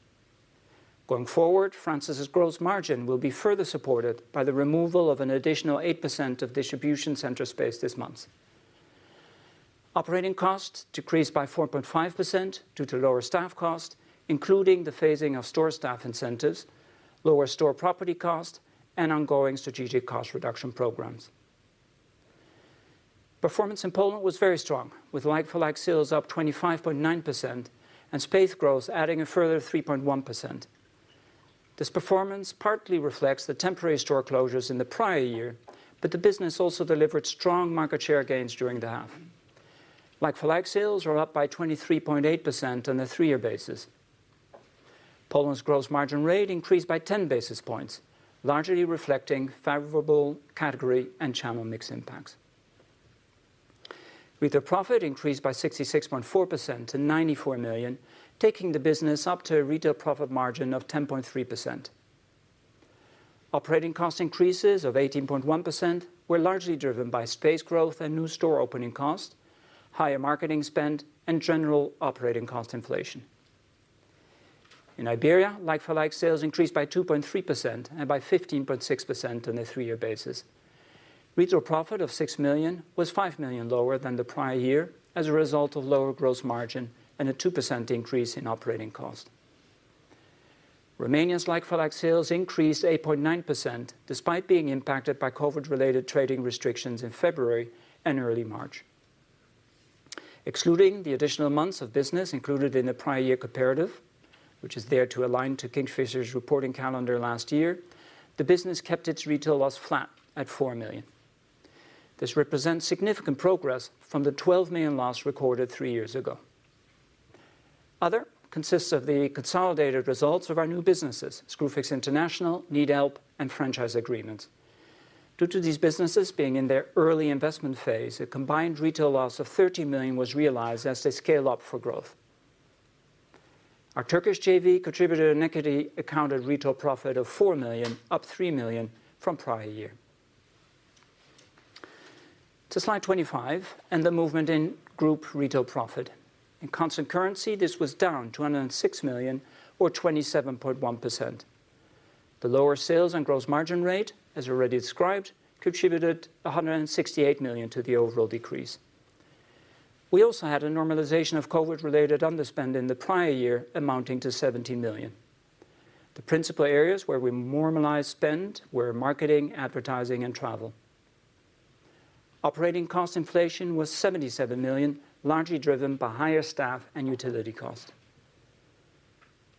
Going forward, France's gross margin will be further supported by the removal of an additional 8% of distribution center space this month. Operating costs decreased by 4.5% due to lower staff costs, including the phasing of store staff incentives, lower store property costs and ongoing strategic cost reduction programs. Performance in Poland was very strong with like-for-like sales up 25.9% and space growth adding a further 3.1%. This performance partly reflects the temporary store closures in the prior year, but the business also delivered strong market share gains during the half. Like-for-like sales are up by 23.8% on a three-year basis. Poland's gross margin rate increased by 10 basis points, largely reflecting favorable category and channel mix impacts. Retail profit increased by 66.4% to 94 million, taking the business up to a retail profit margin of 10.3%. Operating cost increases of 18.1% were largely driven by space growth and new store opening costs, higher marketing spend and general operating cost inflation. In Iberia, like-for-like sales increased by 2.3% and by 15.6% on a three-year basis. Retail profit of 6 million was 5 million lower than the prior year as a result of lower gross margin and a 2% increase in operating costs. Romania's like-for-like sales increased 8.9%, despite being impacted by COVID-related trading restrictions in February and early March. Excluding the additional months of business included in the prior year comparative, which is there to align to Kingfisher's reporting calendar last year, the business kept its retail loss flat at 4 million. This represents significant progress from the 12 million loss recorded three years ago. Other consists of the consolidated results of our new businesses, Screwfix International, NeedHelp and franchise agreements. Due to these businesses being in their early investment phase, a combined retail loss of 30 million was realized as they scale up for growth. Our Turkish JV contributed an equity accounted retail profit of 4 million, up 3 million from prior year. To slide 25 and the movement in group retail profit. In constant currency, this was down to 106 million or 27.1%. The lower sales and gross margin rate, as already described, contributed 168 million to the overall decrease. We also had a normalization of COVID-related underspend in the prior year amounting to 17 million. The principal areas where we normalized spend were marketing, advertising and travel. Operating cost inflation was 77 million, largely driven by higher staff and utility costs.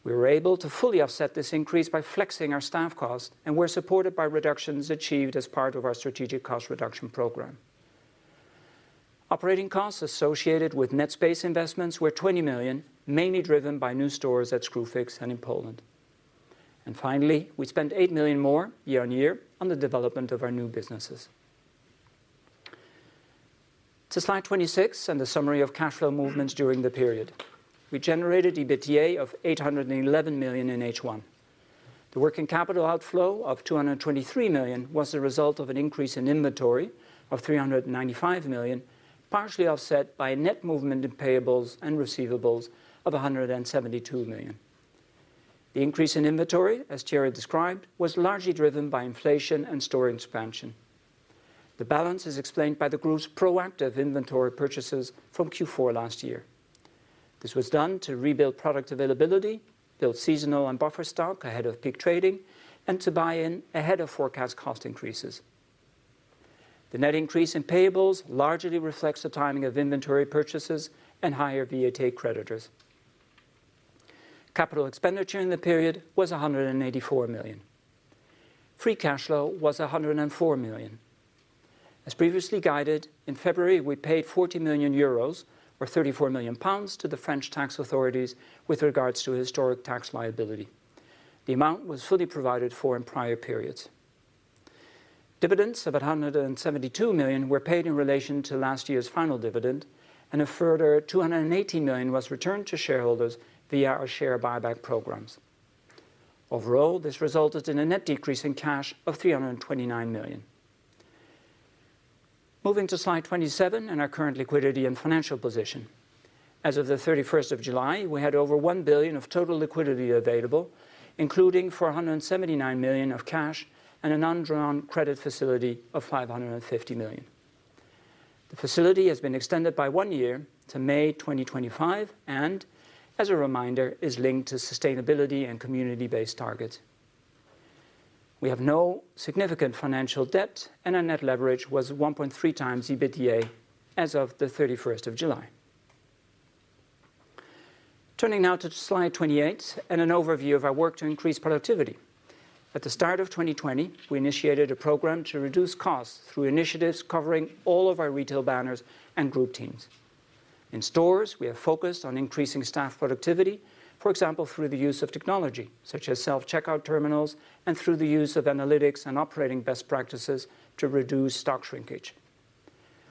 We were able to fully offset this increase by flexing our staff costs, and were supported by reductions achieved as part of our strategic cost reduction program. Operating costs associated with net space investments were 20 million, mainly driven by new stores at Screwfix and in Poland. Finally, we spent 8 million more year on year on the development of our new businesses. To slide 26 and the summary of cash flow movements during the period. We generated EBITDA of 811 million in H1. The working capital outflow of 223 million was the result of an increase in inventory of 395 million, partially offset by a net movement in payables and receivables of 172 million. The increase in inventory, as Thierry described, was largely driven by inflation and store expansion. The balance is explained by the group's proactive inventory purchases from Q4 last year. This was done to rebuild product availability, build seasonal and buffer stock ahead of peak trading, and to buy in ahead of forecast cost increases. The net increase in payables largely reflects the timing of inventory purchases and higher VAT creditors. Capital expenditure in the period was 184 million. Free cash flow was 104 million. As previously guided, in February, we paid 40 million euros or 34 million pounds to the French tax authorities with regards to historic tax liability. The amount was fully provided for in prior periods. Dividends of 172 million were paid in relation to last year's final dividend, and a further 280 million was returned to shareholders via our share buyback programs. Overall, this resulted in a net decrease in cash of 329 million. Moving to slide 27 and our current liquidity and financial position. As of the thirty-first of July, we had over 1 billion of total liquidity available, including 479 million of cash and an undrawn credit facility of 550 million. The facility has been extended by one year to May 2025, and as a reminder, is linked to sustainability and community-based targets. We have no significant financial debt and our net leverage was 1.3x EBITDA as of 21st July. Turning now to slide 28 and an overview of our work to increase productivity. At the start of 2020, we initiated a program to reduce costs through initiatives covering all of our retail banners and group teams. In stores, we have focused on increasing staff productivity, for example, through the use of technology such as self-checkout terminals and through the use of analytics and operating best practices to reduce stock shrinkage.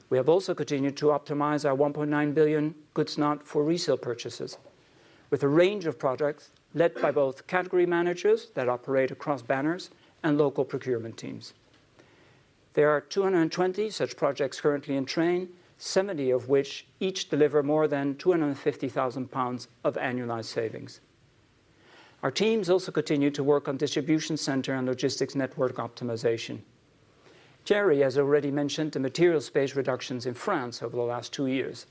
We have also continued to optimize our 1.9 billion goods not for resale purchases with a range of products led by both category managers that operate across banners and local procurement teams. There are 220 such projects currently in train, 70 of which each deliver more than 250,000 pounds of annualized savings. Our teams also continue to work on distribution center and logistics network optimization. Thierry has already mentioned the material space reductions in France over the last two years.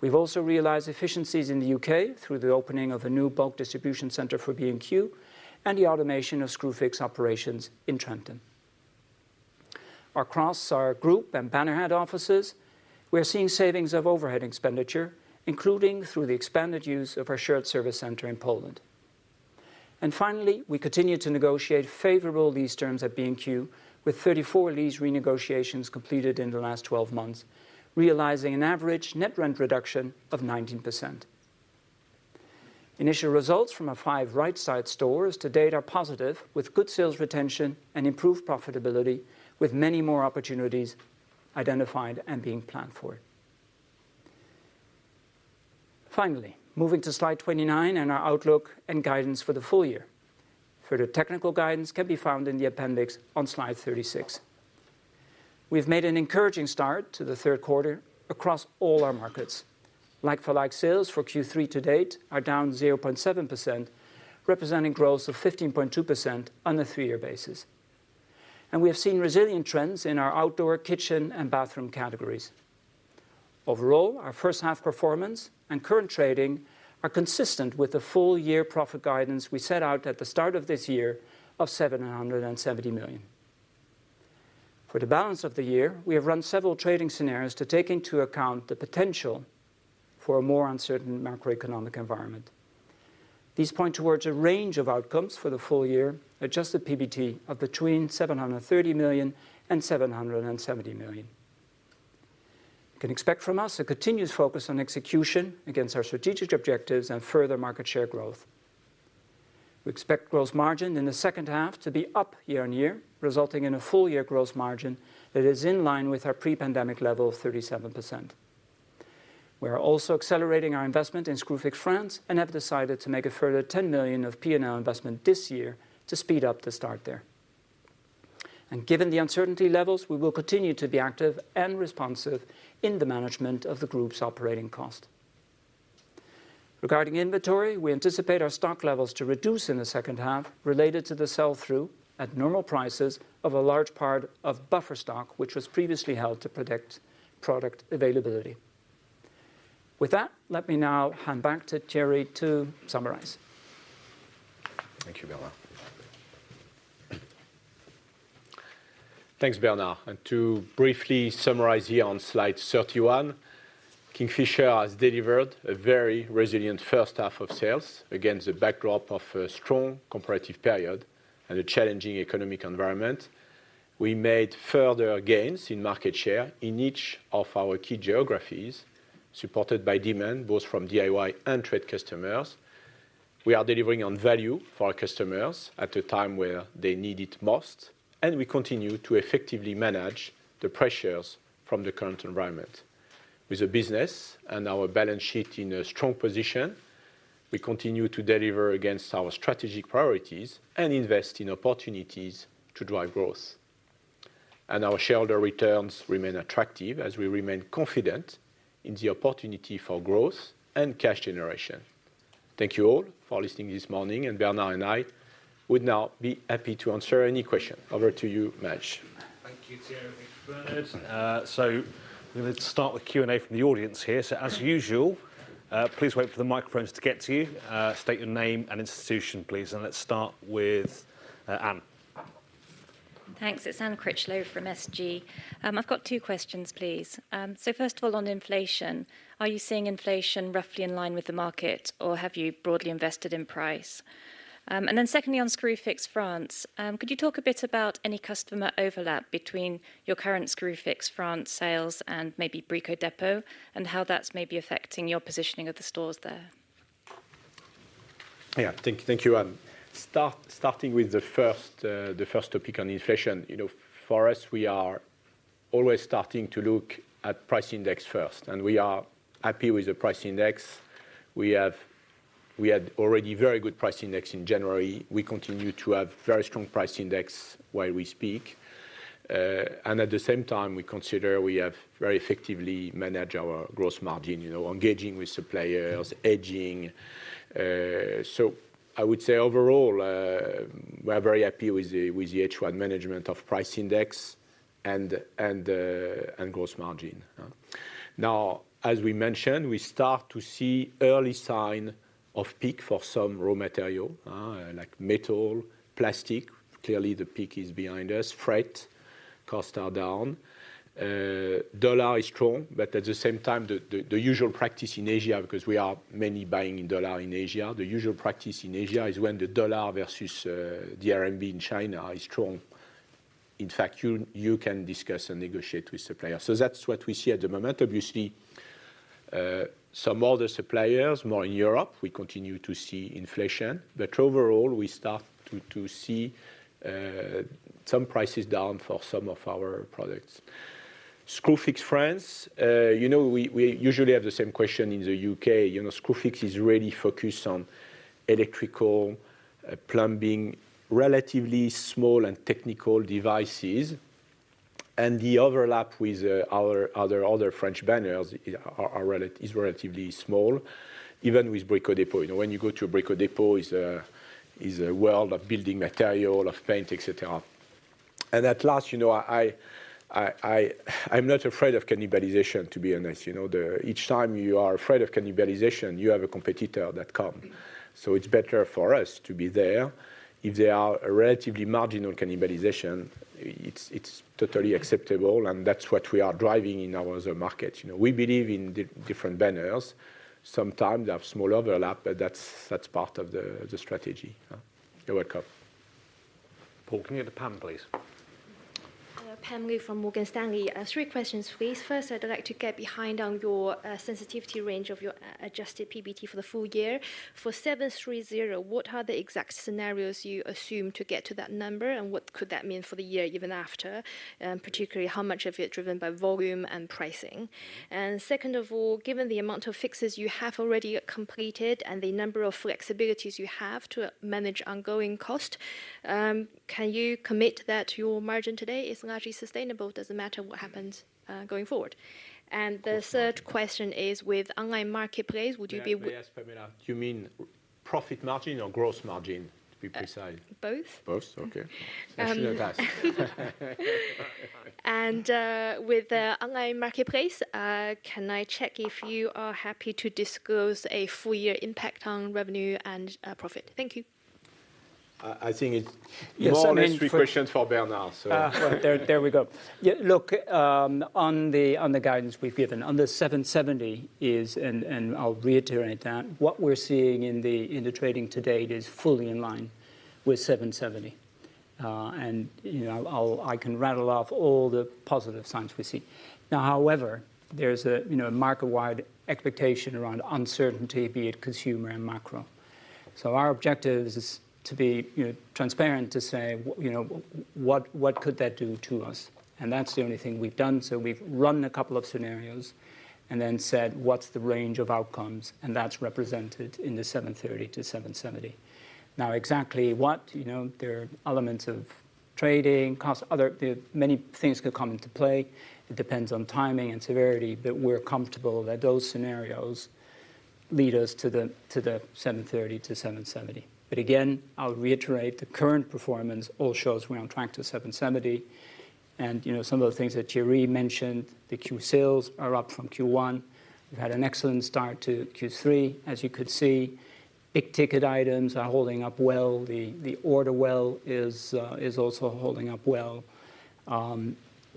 We've also realized efficiencies in the U.K. through the opening of a new bulk distribution center for B&Q and the automation of Screwfix operations in Trentham. Across our group and banner head offices, we are seeing savings of overhead expenditure, including through the expanded use of our shared service center in Poland. Finally, we continue to negotiate favorable lease terms at B&Q with 34 lease renegotiations completed in the last 12 months, realizing an average net rent reduction of 19%. Initial results from our five right-side stores to date are positive, with good sales retention and improved profitability, with many more opportunities identified and being planned for. Finally, moving to slide 29 and our outlook and guidance for the full year. Further technical guidance can be found in the appendix on slide 36. We've made an encouraging start to the third quarter across all our markets. Like-for-like sales for Q3 to date are down 0.7%, representing growth of 15.2% on a three-year basis. We have seen resilient trends in our outdoor kitchen and bathroom categories. Overall, our first half performance and current trading are consistent with the full year profit guidance we set out at the start of this year of 770 million. For the balance of the year, we have run several trading scenarios to take into account the potential for a more uncertain macroeconomic environment. These point towards a range of outcomes for the full year, adjusted PBT of between 730 million and 770 million. You can expect from us a continuous focus on execution against our strategic objectives and further market share growth. We expect gross margin in the second half to be up year-over-year, resulting in a full year gross margin that is in line with our pre-pandemic level of 37%. We are also accelerating our investment in Screwfix France and have decided to make a further 10 million of P&L investment this year to speed up the start there. Given the uncertainty levels, we will continue to be active and responsive in the management of the group's operating cost. Regarding inventory, we anticipate our stock levels to reduce in the second half related to the sell-through at normal prices of a large part of buffer stock, which was previously held to predict product availability. With that, let me now hand back to Thierry to summarize. Thank you, Bernard. Thanks, Bernard. To briefly summarize here on slide 31, Kingfisher has delivered a very resilient first half of sales against the backdrop of a strong comparative period and a challenging economic environment. We made further gains in market share in each of our key geographies, supported by demand both from DIY and trade customers. We are delivering on value for our customers at a time where they need it most, and we continue to effectively manage the pressures from the current environment. With the business and our balance sheet in a strong position, we continue to deliver against our strategic priorities and invest in opportunities to drive growth. Our shareholder returns remain attractive as we remain confident in the opportunity for growth and cash generation. Thank you all for listening this morning, and Bernard and I would now be happy to answer any question. Over to you, Majid. Thank you, Thierry. Thank you, Bernard. We're gonna start with Q&A from the audience here. As usual, please wait for the microphones to get to you. State your name and institution, please. Let's start with Anne. Thanks. It's Anne Critchlow from SG. I've got two questions, please. First of all, on inflation, are you seeing inflation roughly in line with the market or have you broadly invested in price? Secondly, on Screwfix France, could you talk a bit about any customer overlap between your current Screwfix France sales and maybe Brico Dépôt and how that's maybe affecting your positioning of the stores there? Thank you, Anne. Starting with the first topic on inflation. You know, for us, we are always starting to look at price index first, and we are happy with the price index. We had already very good price index in January. We continue to have very strong price index while we speak. And at the same time, we consider we have very effectively managed our gross margin, you know, engaging with suppliers, hedging. I would say overall, we are very happy with the H1 management of price index and gross margin. Now, as we mentioned, we start to see early sign of peak for some raw material, like metal, plastic. Clearly the peak is behind us. Freight costs are down. The US dollar is strong, but at the same time, the usual practice in Asia, because we buy many in US dollars in Asia, the usual practice in Asia is when the U.S. dollar versus the RMB in China is strong. In fact, you can discuss and negotiate with suppliers. That's what we see at the moment. Obviously, some other suppliers, more in Europe, we continue to see inflation. Overall, we start to see some prices down for some of our products. Screwfix France, you know, we usually have the same question in the U.K. You know, Screwfix is really focused on electrical, plumbing, relatively small and technical devices. The overlap with our other French banners is relatively small, even with Brico Dépôt. You know, when you go to a Brico Dépôt is a world of building material, of paint, et cetera. At last, you know, I'm not afraid of cannibalization, to be honest. You know, then each time you are afraid of cannibalization, you have a competitor that come. It's better for us to be there. If they are a relatively marginal cannibalization, it's totally acceptable and that's what we are driving in our other markets. You know, we believe in different banners. Sometimes they have small overlap, but that's part of the strategy. You're welcome. Paul, can we go to Pam, please? Pam Liu from Morgan Stanley. three questions, please. First, I'd like to get behind on your sensitivity range of your adjusted PBT for the full year. For 730, what are the exact scenarios you assume to get to that number, and what could that mean for the year even after. Particularly how much of it driven by volume and pricing. Second of all, given the amount of Screwfix you have already completed and the number of flexibilities you have to manage ongoing costs, can you commit that your margin today is largely sustainable, doesn't matter what happens going forward. The third question is with online marketplace, would you be- Yeah. Yes, Pam Liu. Do you mean profit margin or gross margin, to be precise? Both. Both? Okay. Um- Actually that's. With the online marketplace, can I check if you are happy to discuss a full year impact on revenue and profit? Thank you. I think it's more or less three questions for Bernard. Look, on the guidance we've given. On the 770 is and I'll reiterate that. What we're seeing in the trading to date is fully in line with 770. You know, I can rattle off all the positive signs we see. Now, however, there's you know, market-wide expectation around uncertainty, be it consumer and macro. Our objective is to be, you know, transparent to say, you know, what could that do to us? That's the only thing we've done. We've run a couple of scenarios and then said, what's the range of outcomes? That's represented in the 730-770. Now, exactly what you know, there are elements of trading, cost, other, many things could come into play. It depends on timing and severity, but we're comfortable that those scenarios lead us to the 730-770. Again, I'll reiterate. The current performance also shows we're on track to 770. You know, some of the things that Thierry mentioned, the Q2 sales are up from Q1. We've had an excellent start to Q3, as you could see. Big ticket items are holding up well. The order book is also holding up well.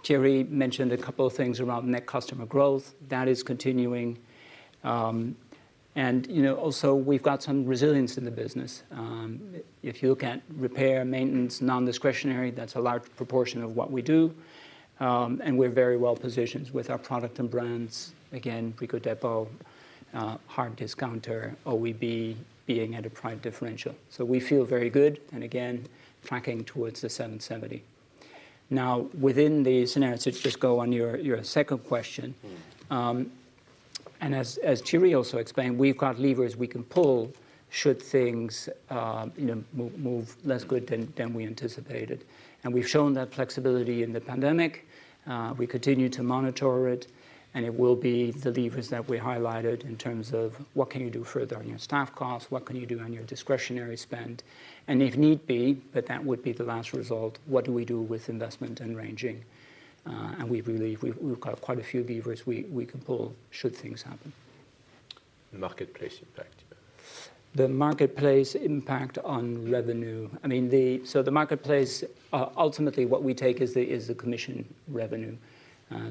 Thierry mentioned a couple of things around net customer growth. That is continuing. You know, also we've got some resilience in the business. If you look at repair, maintenance, non-discretionary, that's a large proportion of what we do. We're very well positioned with our product and brands. Again, Brico Dépôt, hard discounter, OEB being at a price differential. We feel very good and again, tracking towards 770. Now, within the scenarios, let's just go on your second question. As Thierry also explained, we've got levers we can pull should things move less good than we anticipated. We've shown that flexibility in the pandemic. We continue to monitor it, and it will be the levers that we highlighted in terms of what can you do further on your staff costs, what can you do on your discretionary spend. If need be, but that would be the last result, what do we do with investment and ranging? We believe we've got quite a few levers we can pull should things happen. Marketplace impact. The marketplace impact on revenue. I mean, so the marketplace ultimately what we take is the commission revenue.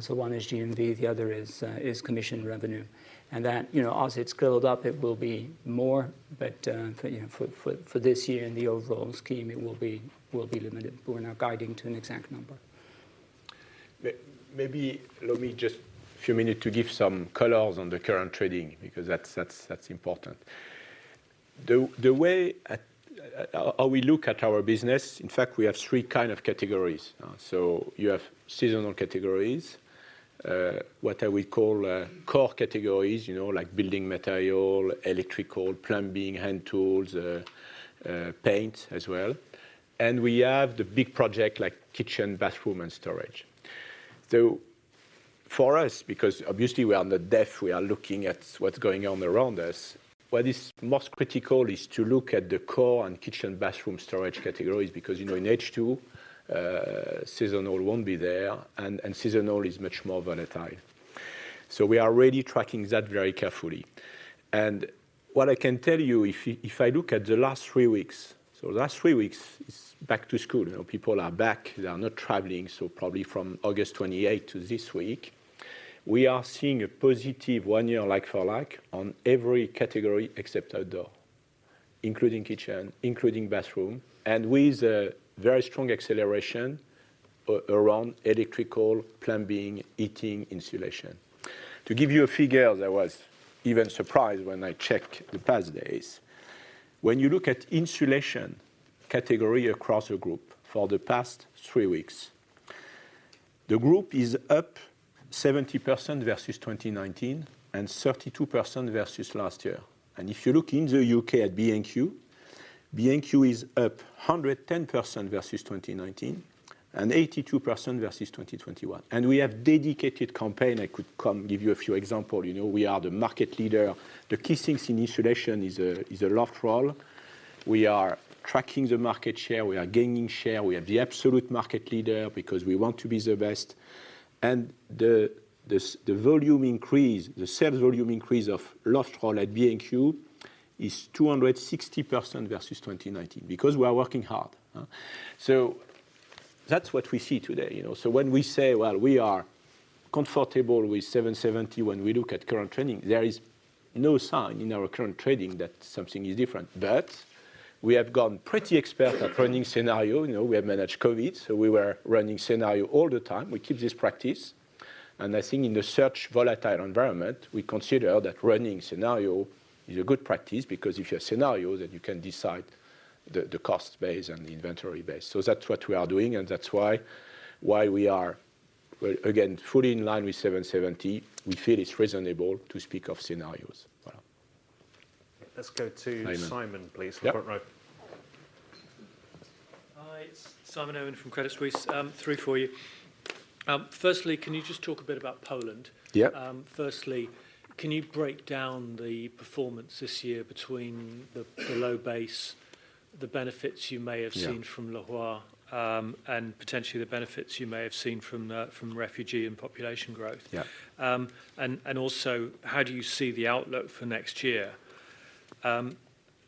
One is GMV, the other is commission revenue. That, you know, as it's scaled up, it will be more. For, you know, for this year in the overall scheme, it will be limited. We're now guiding to an exact number. Maybe allow me just a few minutes to give some colors on the current trading because that's important. The way we look at our business, in fact, we have three kind of categories, so you have seasonal categories, what I will call core categories, you know, like building material, electrical, plumbing, hand tools, paint as well, and we have the big project like kitchen, bathroom, and storage. For us, because obviously we are in depth, we are looking at what's going on around us, what is most critical is to look at the core and kitchen, bathroom, storage categories because, you know, in H2, seasonal won't be there and seasonal is much more volatile. We are really tracking that very carefully. What I can tell you, if I look at the last three weeks, so last three weeks is back to school. You know, people are back, they are not traveling, so probably from August 28 to this week, we are seeing a positive one-year like for like on every category except outdoor, including kitchen, including bathroom, and with a very strong acceleration around electrical, plumbing, heating, insulation. To give you a figure that was even surprise when I checked the past days. When you look at insulation category across the group for the past three weeks, the group is up 70% versus 2019 and 32% versus last year. If you look in the UK at B&Q, B&Q is up 110% versus 2019 and 82% versus 2021. We have dedicated campaign. I could come give you a few example. You know we are the market leader. The key things in insulation is a loft roll. We are tracking the market share. We are gaining share. We are the absolute market leader because we want to be the best. The sales volume increase of loft roll at B&Q is 260% versus 2019 because we are working hard. That's what we see today, you know. When we say, well, we are comfortable with 770 when we look at current trading, there is no sign in our current trading that something is different. We have gone pretty expert at running scenario. You know, we have managed COVID, so we were running scenario all the time. We keep this practice. I think in such a volatile environment, we consider that running scenario is a good practice because if you have scenario, then you can decide the cost base and the inventory base. That's what we are doing, and that's why we are, well, again, fully in line with 7/70. We feel it's reasonable to speak of scenarios. Voilà. Let's go to Simon, please. Simon. Front row. Hi. Simon Irwin from Credit Suisse. Three for you. Firstly, can you just talk a bit about Poland? Yeah. Firstly, can you break down the performance this year between the low base, the benefits you may have seen? Yeah ...from Leroy, and potentially the benefits you may have seen from refugee and population growth? Yeah. Also, how do you see the outlook for next year?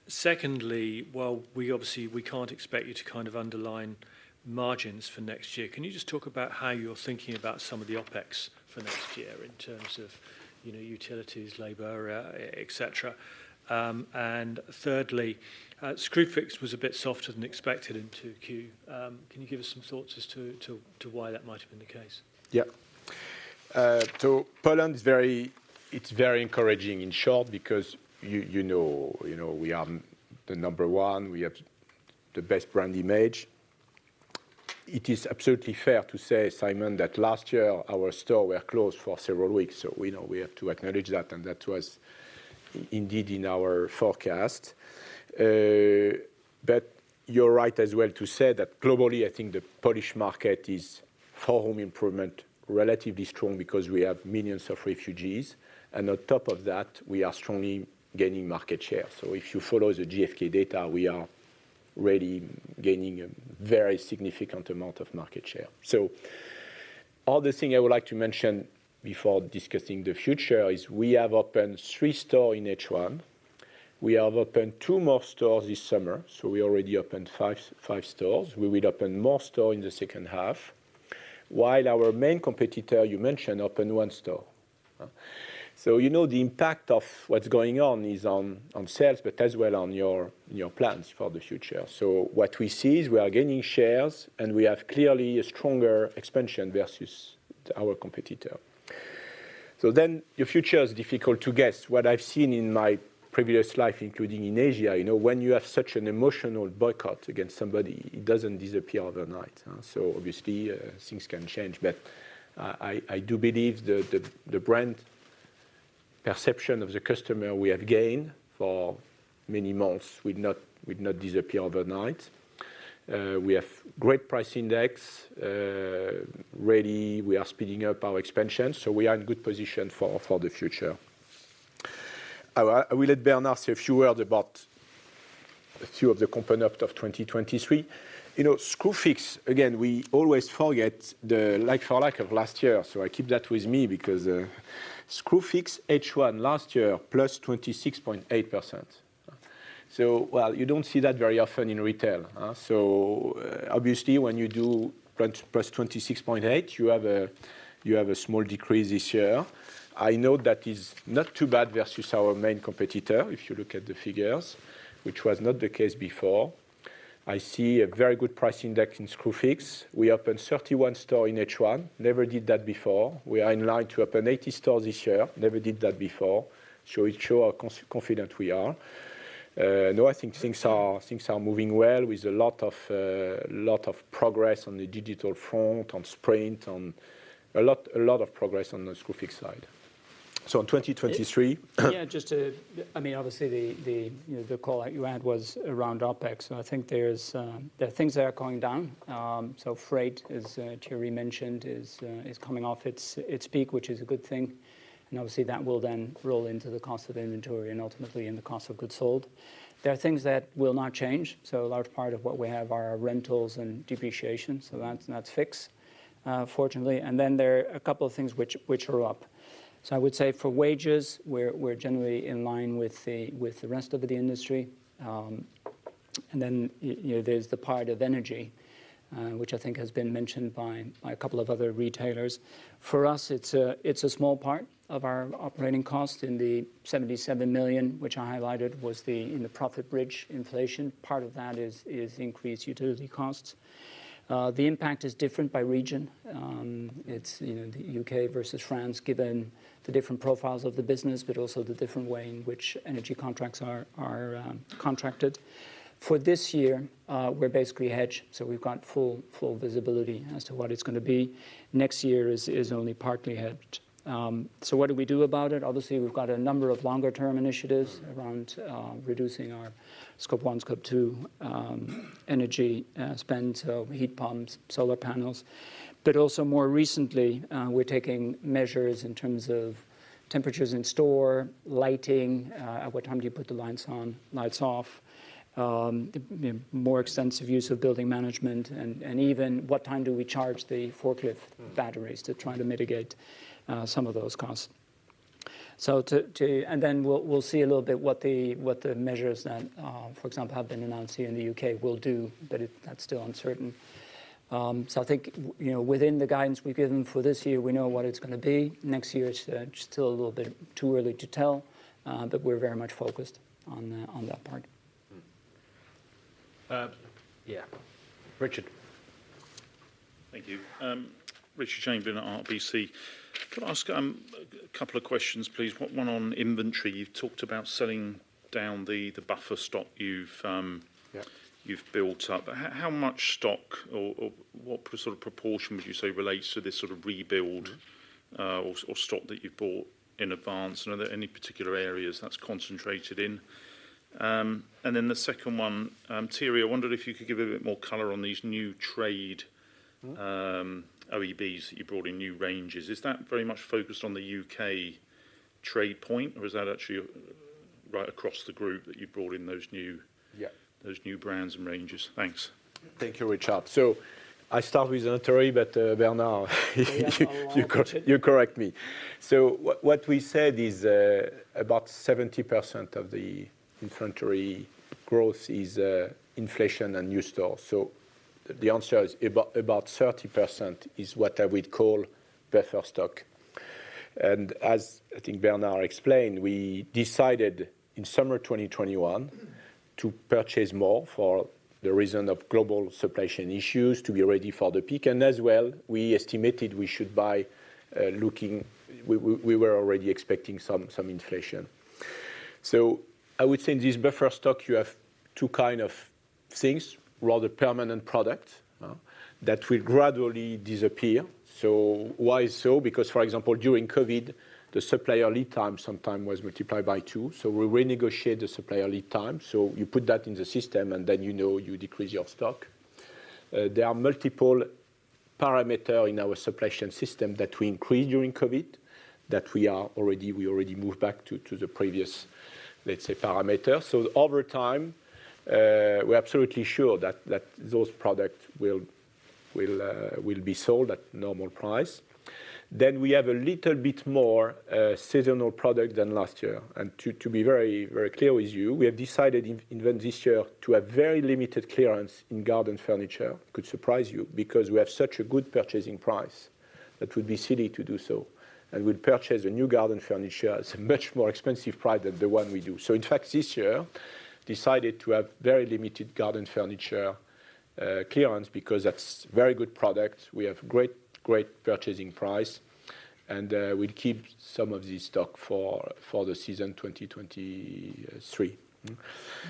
Secondly, while we obviously can't expect you to kind of underline margins for next year, can you just talk about how you're thinking about some of the OpEx for next year in terms of, you know, utilities, labor, et cetera. Thirdly, Screwfix was a bit softer than expected in 2Q. Can you give us some thoughts as to why that might have been the case? Yeah. Poland is very encouraging in short because you know we are the number one. We have the best brand image. It is absolutely fair to say, Simon, that last year our stores were closed for several weeks, so we know we have to acknowledge that, and that was indeed in our forecast. You're right as well to say that globally, I think the Polish market is for home improvement relatively strong because we have millions of refugees, and on top of that, we are strongly gaining market share. If you follow the GfK data, we are really gaining a very significant amount of market share. Other thing I would like to mention before discussing the future is we have opened three stores in H1. We have opened two more stores this summer. We already opened five stores. We will open more stores in the second half. While our main competitor, you mentioned, opened one store. You know the impact of what's going on is on sales but as well on your plans for the future. What we see is we are gaining shares, and we have clearly a stronger expansion versus our competitor. The future is difficult to guess. What I've seen in my previous life, including in Asia, you know, when you have such an emotional boycott against somebody, it doesn't disappear overnight. Things can change, but I do believe the brand perception of the customer we have gained for many months will not disappear overnight. We have great price index. Really, we are speeding up our expansion, so we are in good position for the future. I will let Bernard say a few words about a few of the components of 2023. You know, Screwfix, again, we always forget the like for like of last year, so I keep that with me because Screwfix H1 last year, +26.8%. Well, you don't see that very often in retail, so obviously when you do +26.8%, you have a small decrease this year. I know that is not too bad versus our main competitor if you look at the figures, which was not the case before. I see a very good pricing deck in Screwfix. We opened 31 stores in H1. Never did that before. We are in line to open 80 stores this year. Never did that before. It shows how confident we are. No, I think things are moving well with a lot of progress on the digital front, on Sprint, on a lot of progress on the Screwfix side. In 2023. Just to... I mean, obviously, you know, the call out you had was around OpEx. I think there are things that are going down. Freight, as Thierry mentioned, is coming off its peak, which is a good thing. Obviously that will then roll into the cost of inventory and ultimately in the cost of goods sold. There are things that will not change. A large part of what we have are rentals and depreciation. That's fixed, fortunately. Then there are a couple of things which are up. I would say for wages, we're generally in line with the rest of the industry. You know, there's the part of energy which I think has been mentioned by a couple of other retailers. For us, it's a small part of our operating cost in the 77 million, which I highlighted was in the profit bridge inflation. Part of that is increased utility costs. The impact is different by region. It's, you know, the UK versus France, given the different profiles of the business, but also the different way in which energy contracts are contracted. For this year, we're basically hedged, so we've got full visibility as to what it's gonna be. Next year is only partly hedged. What do we do about it? Obviously, we've got a number of longer term initiatives around reducing our scope one, scope two, energy spend. Heat pumps, solar panels. Also more recently, we're taking measures in terms of temperatures in store, lighting, at what time do you put the lights on, lights off, you know, more extensive use of building management and even what time do we charge the forklift batteries to try to mitigate some of those costs. Then we'll see a little bit what the measures that, for example, have been announced here in the U.K. will do. It's still uncertain. I think, you know, within the guidance we've given for this year, we know what it's gonna be. Next year it's still a little bit too early to tell, but we're very much focused on that part. Mm-hmm. Yeah. Richard. Thank you. Richard Chamberlain, RBC. Can I ask a couple of questions, please? One on inventory. You've talked about selling down the buffer stock you've Yeah You've built up. How much stock or what sort of proportion would you say relates to this sort of rebuild? Mm-hmm or stock that you've bought in advance? Are there any particular areas that's concentrated in? The second one, Thierry, I wondered if you could give a bit more color on these new trade OEBs that you brought in new ranges. Is that very much focused on the U.K. Trade Point or is that actually right across the group that you brought in those new Yeah Those new brands and ranges? Thanks. Thank you, Richard. I start with Thierry, but, Bernard, you correct me. What we said is, about 70% of the inventory growth is, inflation and new stores. The answer is about 30% is what I would call buffer stock. And as I think Bernard explained, we decided in summer 2021 to purchase more for the reason of global supply chain issues to be ready for the peak. And as well, we estimated we should buy, looking. We were already expecting some inflation. I would say in this buffer stock you have two kind of things, rather permanent product, that will gradually disappear. Why so? Because for example during COVID, the supplier lead time sometimes was multiplied by two. We renegotiate the supplier lead time. You put that in the system and then you know you decrease your stock. There are multiple parameters in our supply chain system that we increased during COVID that we already moved back to the previous, let's say, parameter. Over time, we're absolutely sure that those products will be sold at normal price. We have a little bit more seasonal product than last year. To be very clear with you, we have decided in this year to have very limited clearance in garden furniture. Could surprise you because we have such a good purchasing price that would be silly to do so. We'd purchase a new garden furniture at a much more expensive price than the one we do. In fact, this year decided to have very limited garden furniture clearance because that's very good product. We have great purchase price, and we'll keep some of this stock for the season 2023.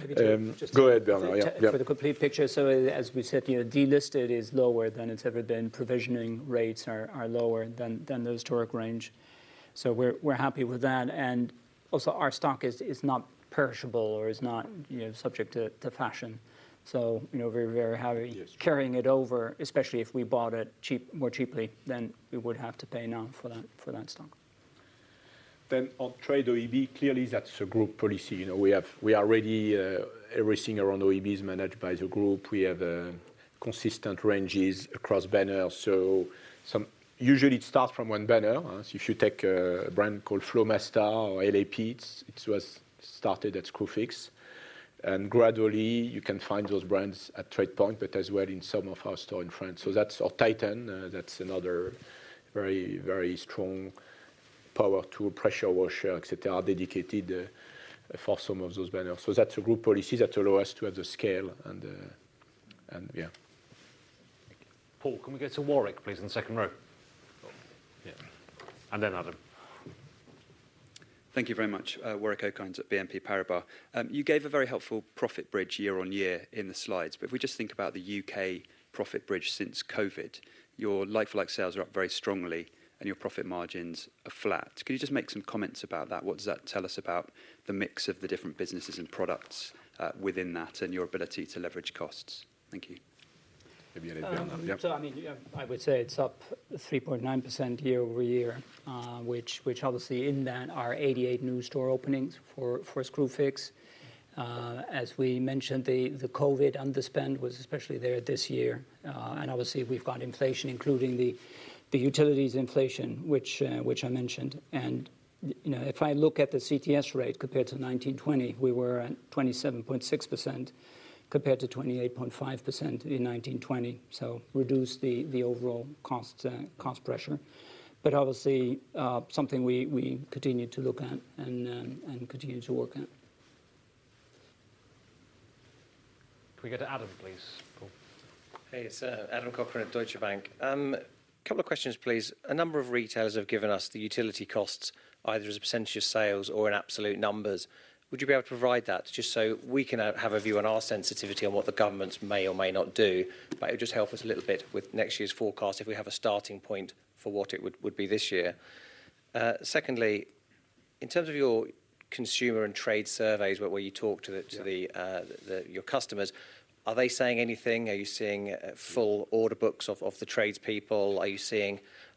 Maybe to- Go ahead, Bernard. Yeah. Yeah. For the complete picture, so as we said, you know, delisted is lower than it's ever been. Provisioning rates are lower than the historic range. We're happy with that. Also our stock is not perishable or is not, you know, subject to fashion. You know, we're very happy. Yes carrying it over, especially if we bought it more cheaply than we would have to pay now for that stock. On TradePoint OEB, clearly that's a group policy. You know, we are ready, everything around OEB is managed by the group. We have consistent ranges across banner. Some usually it starts from one banner. So if you take a brand called Flomasta or LAP, it was started at Screwfix, and gradually you can find those brands at TradePoint, but as well in some of our store in France. So that's. Or Titan, that's another very, very strong power tool, pressure washer, et cetera, are dedicated for some of those banners. So that's a group policy that allow us to have the scale and, yeah. Paul, can we go to Warwick, please, in the second row? Yeah. Adam. Thank you very much. Warwick Okines at BNP Paribas. You gave a very helpful profit bridge year on year in the slides. If we just think about the U.K. profit bridge since COVID, your like-for-like sales are up very strongly and your profit margins are flat. Could you just make some comments about that? What does that tell us about the mix of the different businesses and products within that and your ability to leverage costs? Thank you. Maybe you need to add on that. Yeah. I mean, yeah, I would say it's up 3.9% year-over-year, which obviously and there are 88 new store openings for Screwfix. As we mentioned, the COVID underspend was especially there this year. Obviously we've got inflation, including the utilities inflation, which I mentioned. You know, if I look at the CTS rate compared to 2019/20, we were at 27.6% compared to 28.5% in 2019/20. Reduced the overall cost pressure. Obviously, something we continue to look at and continue to work at. Can we go to Adam, please? Paul. Hey, it's Adam Cochrane at Deutsche Bank. A couple of questions, please. A number of retailers have given us the utility costs either as a percentage of sales or in absolute numbers. Would you be able to provide that just so we can have a view on our sensitivity on what the governments may or may not do? It would just help us a little bit with next year's forecast if we have a starting point for what it would be this year. Secondly, in terms of your consumer and trade surveys where you talk to the- Yeah To your customers, are they saying anything? Are you seeing full order books of the tradespeople?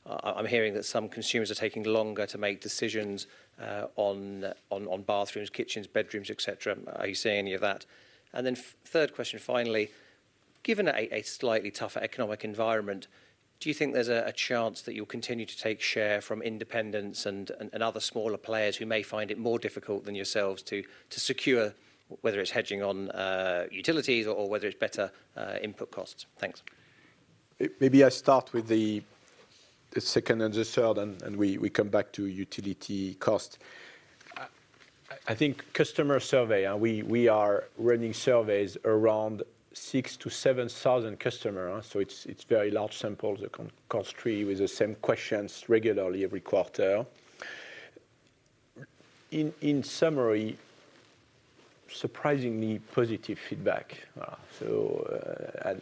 I'm hearing that some consumers are taking longer to make decisions on bathrooms, kitchens, bedrooms, et cetera. Third question, finally, given a slightly tougher economic environment, do you think there's a chance that you'll continue to take share from independents and other smaller players who may find it more difficult than yourselves to secure whether it's hedging on utilities or whether it's better input costs? Thanks. Maybe I start with the second and the third, and we come back to utility cost. I think customer survey, we are running surveys around 6,000 to 7,000 customers, so it's very large samples consistent with the same questions regularly every quarter. In summary, surprisingly positive feedback.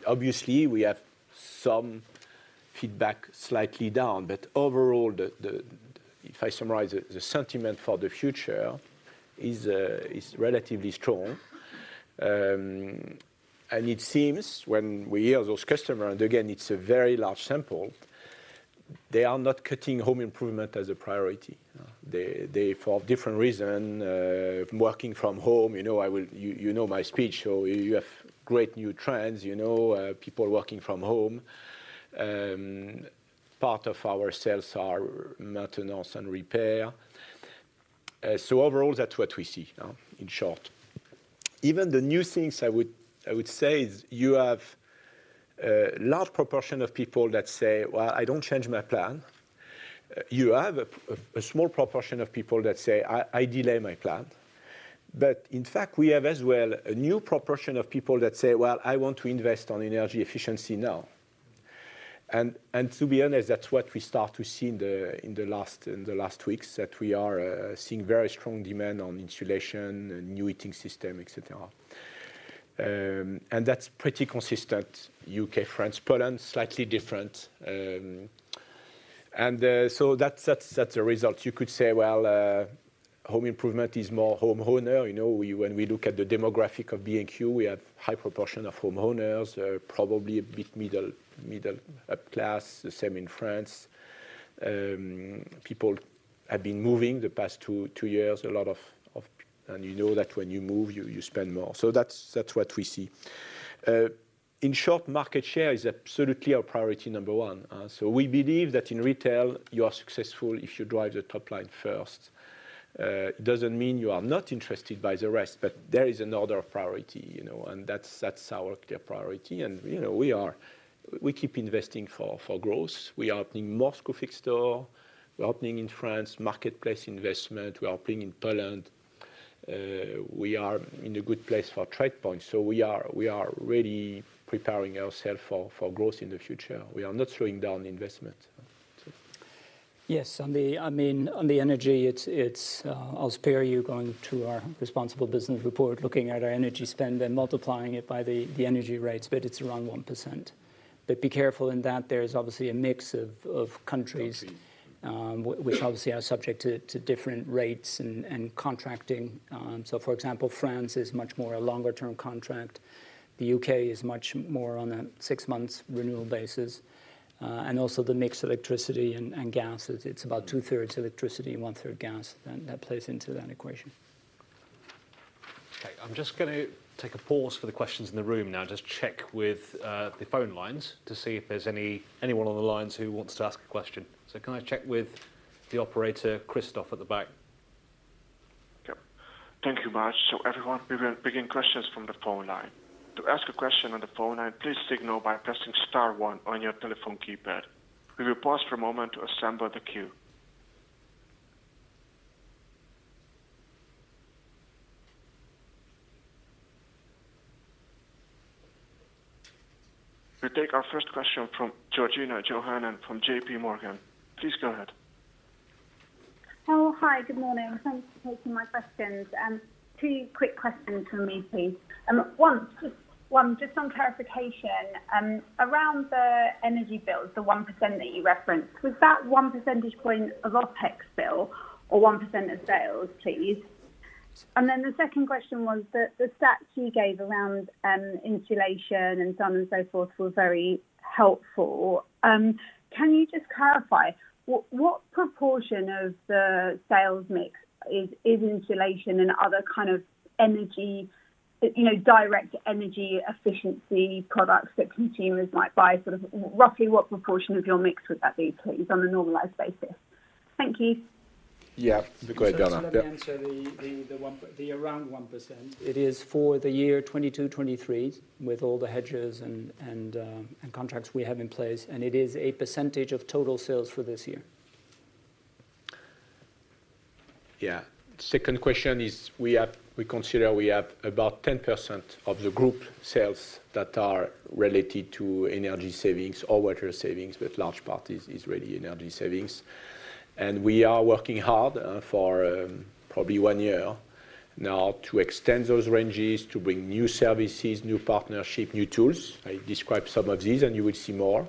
Obviously we have some feedback slightly down. Overall, if I summarize it, the sentiment for the future is relatively strong. It seems when we hear those customers, and again, it's a very large sample, they are not cutting home improvement as a priority. They, for different reasons, working from home, you know. You know my speech, so you have great new trends, you know, people working from home. Part of our sales are maintenance and repair. Overall, that's what we see in short. Even the new things I would say is you have a large proportion of people that say, "Well, I don't change my plan." You have a small proportion of people that say, "I delay my plan." But in fact, we have as well a new proportion of people that say, "Well, I want to invest on energy efficiency now." To be honest, that's what we start to see in the last weeks, that we are seeing very strong demand on insulation and new heating system, et cetera. That's pretty consistent UK, France. Poland, slightly different. That's the result. You could say, well, home improvement is more homeowner. You know, when we look at the demographic of B&Q, we have high proportion of homeowners, probably a bit middle upper class. The same in France. People have been moving the past two years a lot. You know that when you move, you spend more. That's what we see. In short, market share is absolutely our priority number one. We believe that in retail you are successful if you drive the top line first. It doesn't mean you are not interested by the rest, but there is another priority, you know, and that's our clear priority. You know, we keep investing for growth. We are opening more Screwfix store. We are opening in France, marketplace investment. We are opening in Poland. We are in a good place for TradePoint. We are really preparing ourselves for growth in the future. We are not slowing down investment. Yes. I mean, on the energy, I'll spare you going to our responsible business report, looking at our energy spend, then multiplying it by the energy rates, but it's around 1%. Be careful in that there is obviously a mix of countries. Countries... which obviously are subject to different rates and contracting. For example, France is much more a longer term contract. The UK is much more on a six months renewal basis. Also the mix electricity and gas, it's about two thirds electricity and one third gas, and that plays into that equation. Okay. I'm just gonna take a pause for the questions in the room now. Just check with the phone lines to see if there's any, anyone on the lines who wants to ask a question. Can I check with the operator, Christoph, at the back? Yep. Thank you, Marc. Everyone, we will begin questions from the phone line. To ask a question on the phone line, please signal by pressing star one on your telephone keypad. We will pause for a moment to assemble the queue. We take our first question from Georgina Johanan from J.P. Morgan. Please go ahead. Oh, hi, good morning. Thanks for taking my questions. Two quick questions from me, please. One, just on clarification around the energy bills, the 1% that you referenced, was that one percentage point of OpEx bill or 1% of sales, please? Then the second question was the stats you gave around insulation and so on and so forth were very helpful. Can you just clarify what proportion of the sales mix is insulation and other kind of energy, you know, direct energy efficiency products that consumers might buy, sort of roughly what proportion of your mix would that be, please, on a normalized basis? Thank you. Yeah. Great, Donna. Yep. Let me answer the around 1%. It is for the year 2022-2023 with all the hedges and contracts we have in place, and it is a percentage of total sales for this year. Yeah. Second question is we consider we have about 10% of the group sales that are related to energy savings or water savings with a large part is really energy savings. We are working hard for probably one year now to extend those ranges, to bring new services, new partnership, new tools. I described some of these, and you will see more.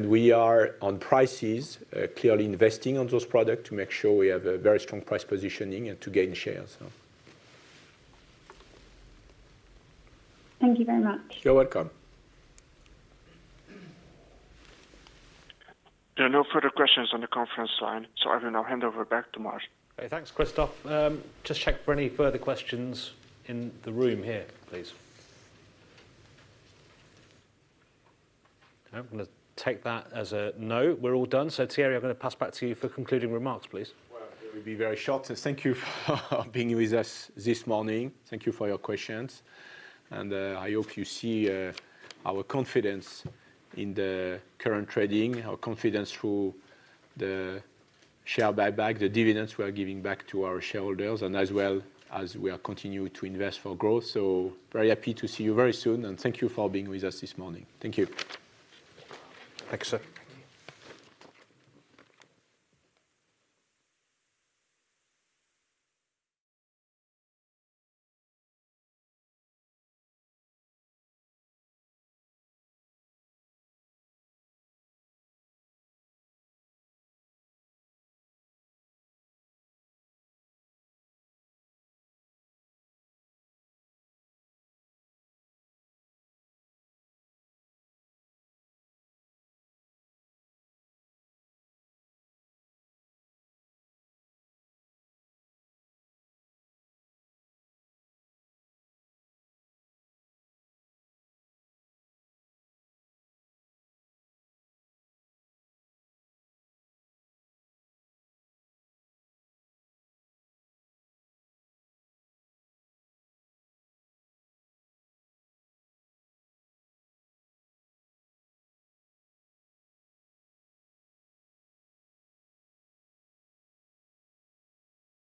We are on prices clearly investing on those products to make sure we have a very strong price positioning and to gain shares. Thank you very much. You're welcome. There are no further questions on the conference line, so I will now hand over back to Majid Nazir. Okay. Thanks, Christophe. Just check for any further questions in the room here, please. Okay. I'm gonna take that as a no. We're all done. Thierry, I'm gonna pass back to you for concluding remarks, please. Well, it will be very short. Thank you for being with us this morning. Thank you for your questions. I hope you see our confidence in the current trading, our confidence through the share buyback, the dividends we are giving back to our shareholders, and as well as we are continuing to invest for growth. Very happy to see you very soon, and thank you for being with us this morning. Thank you. Thank you, sir. Thank you.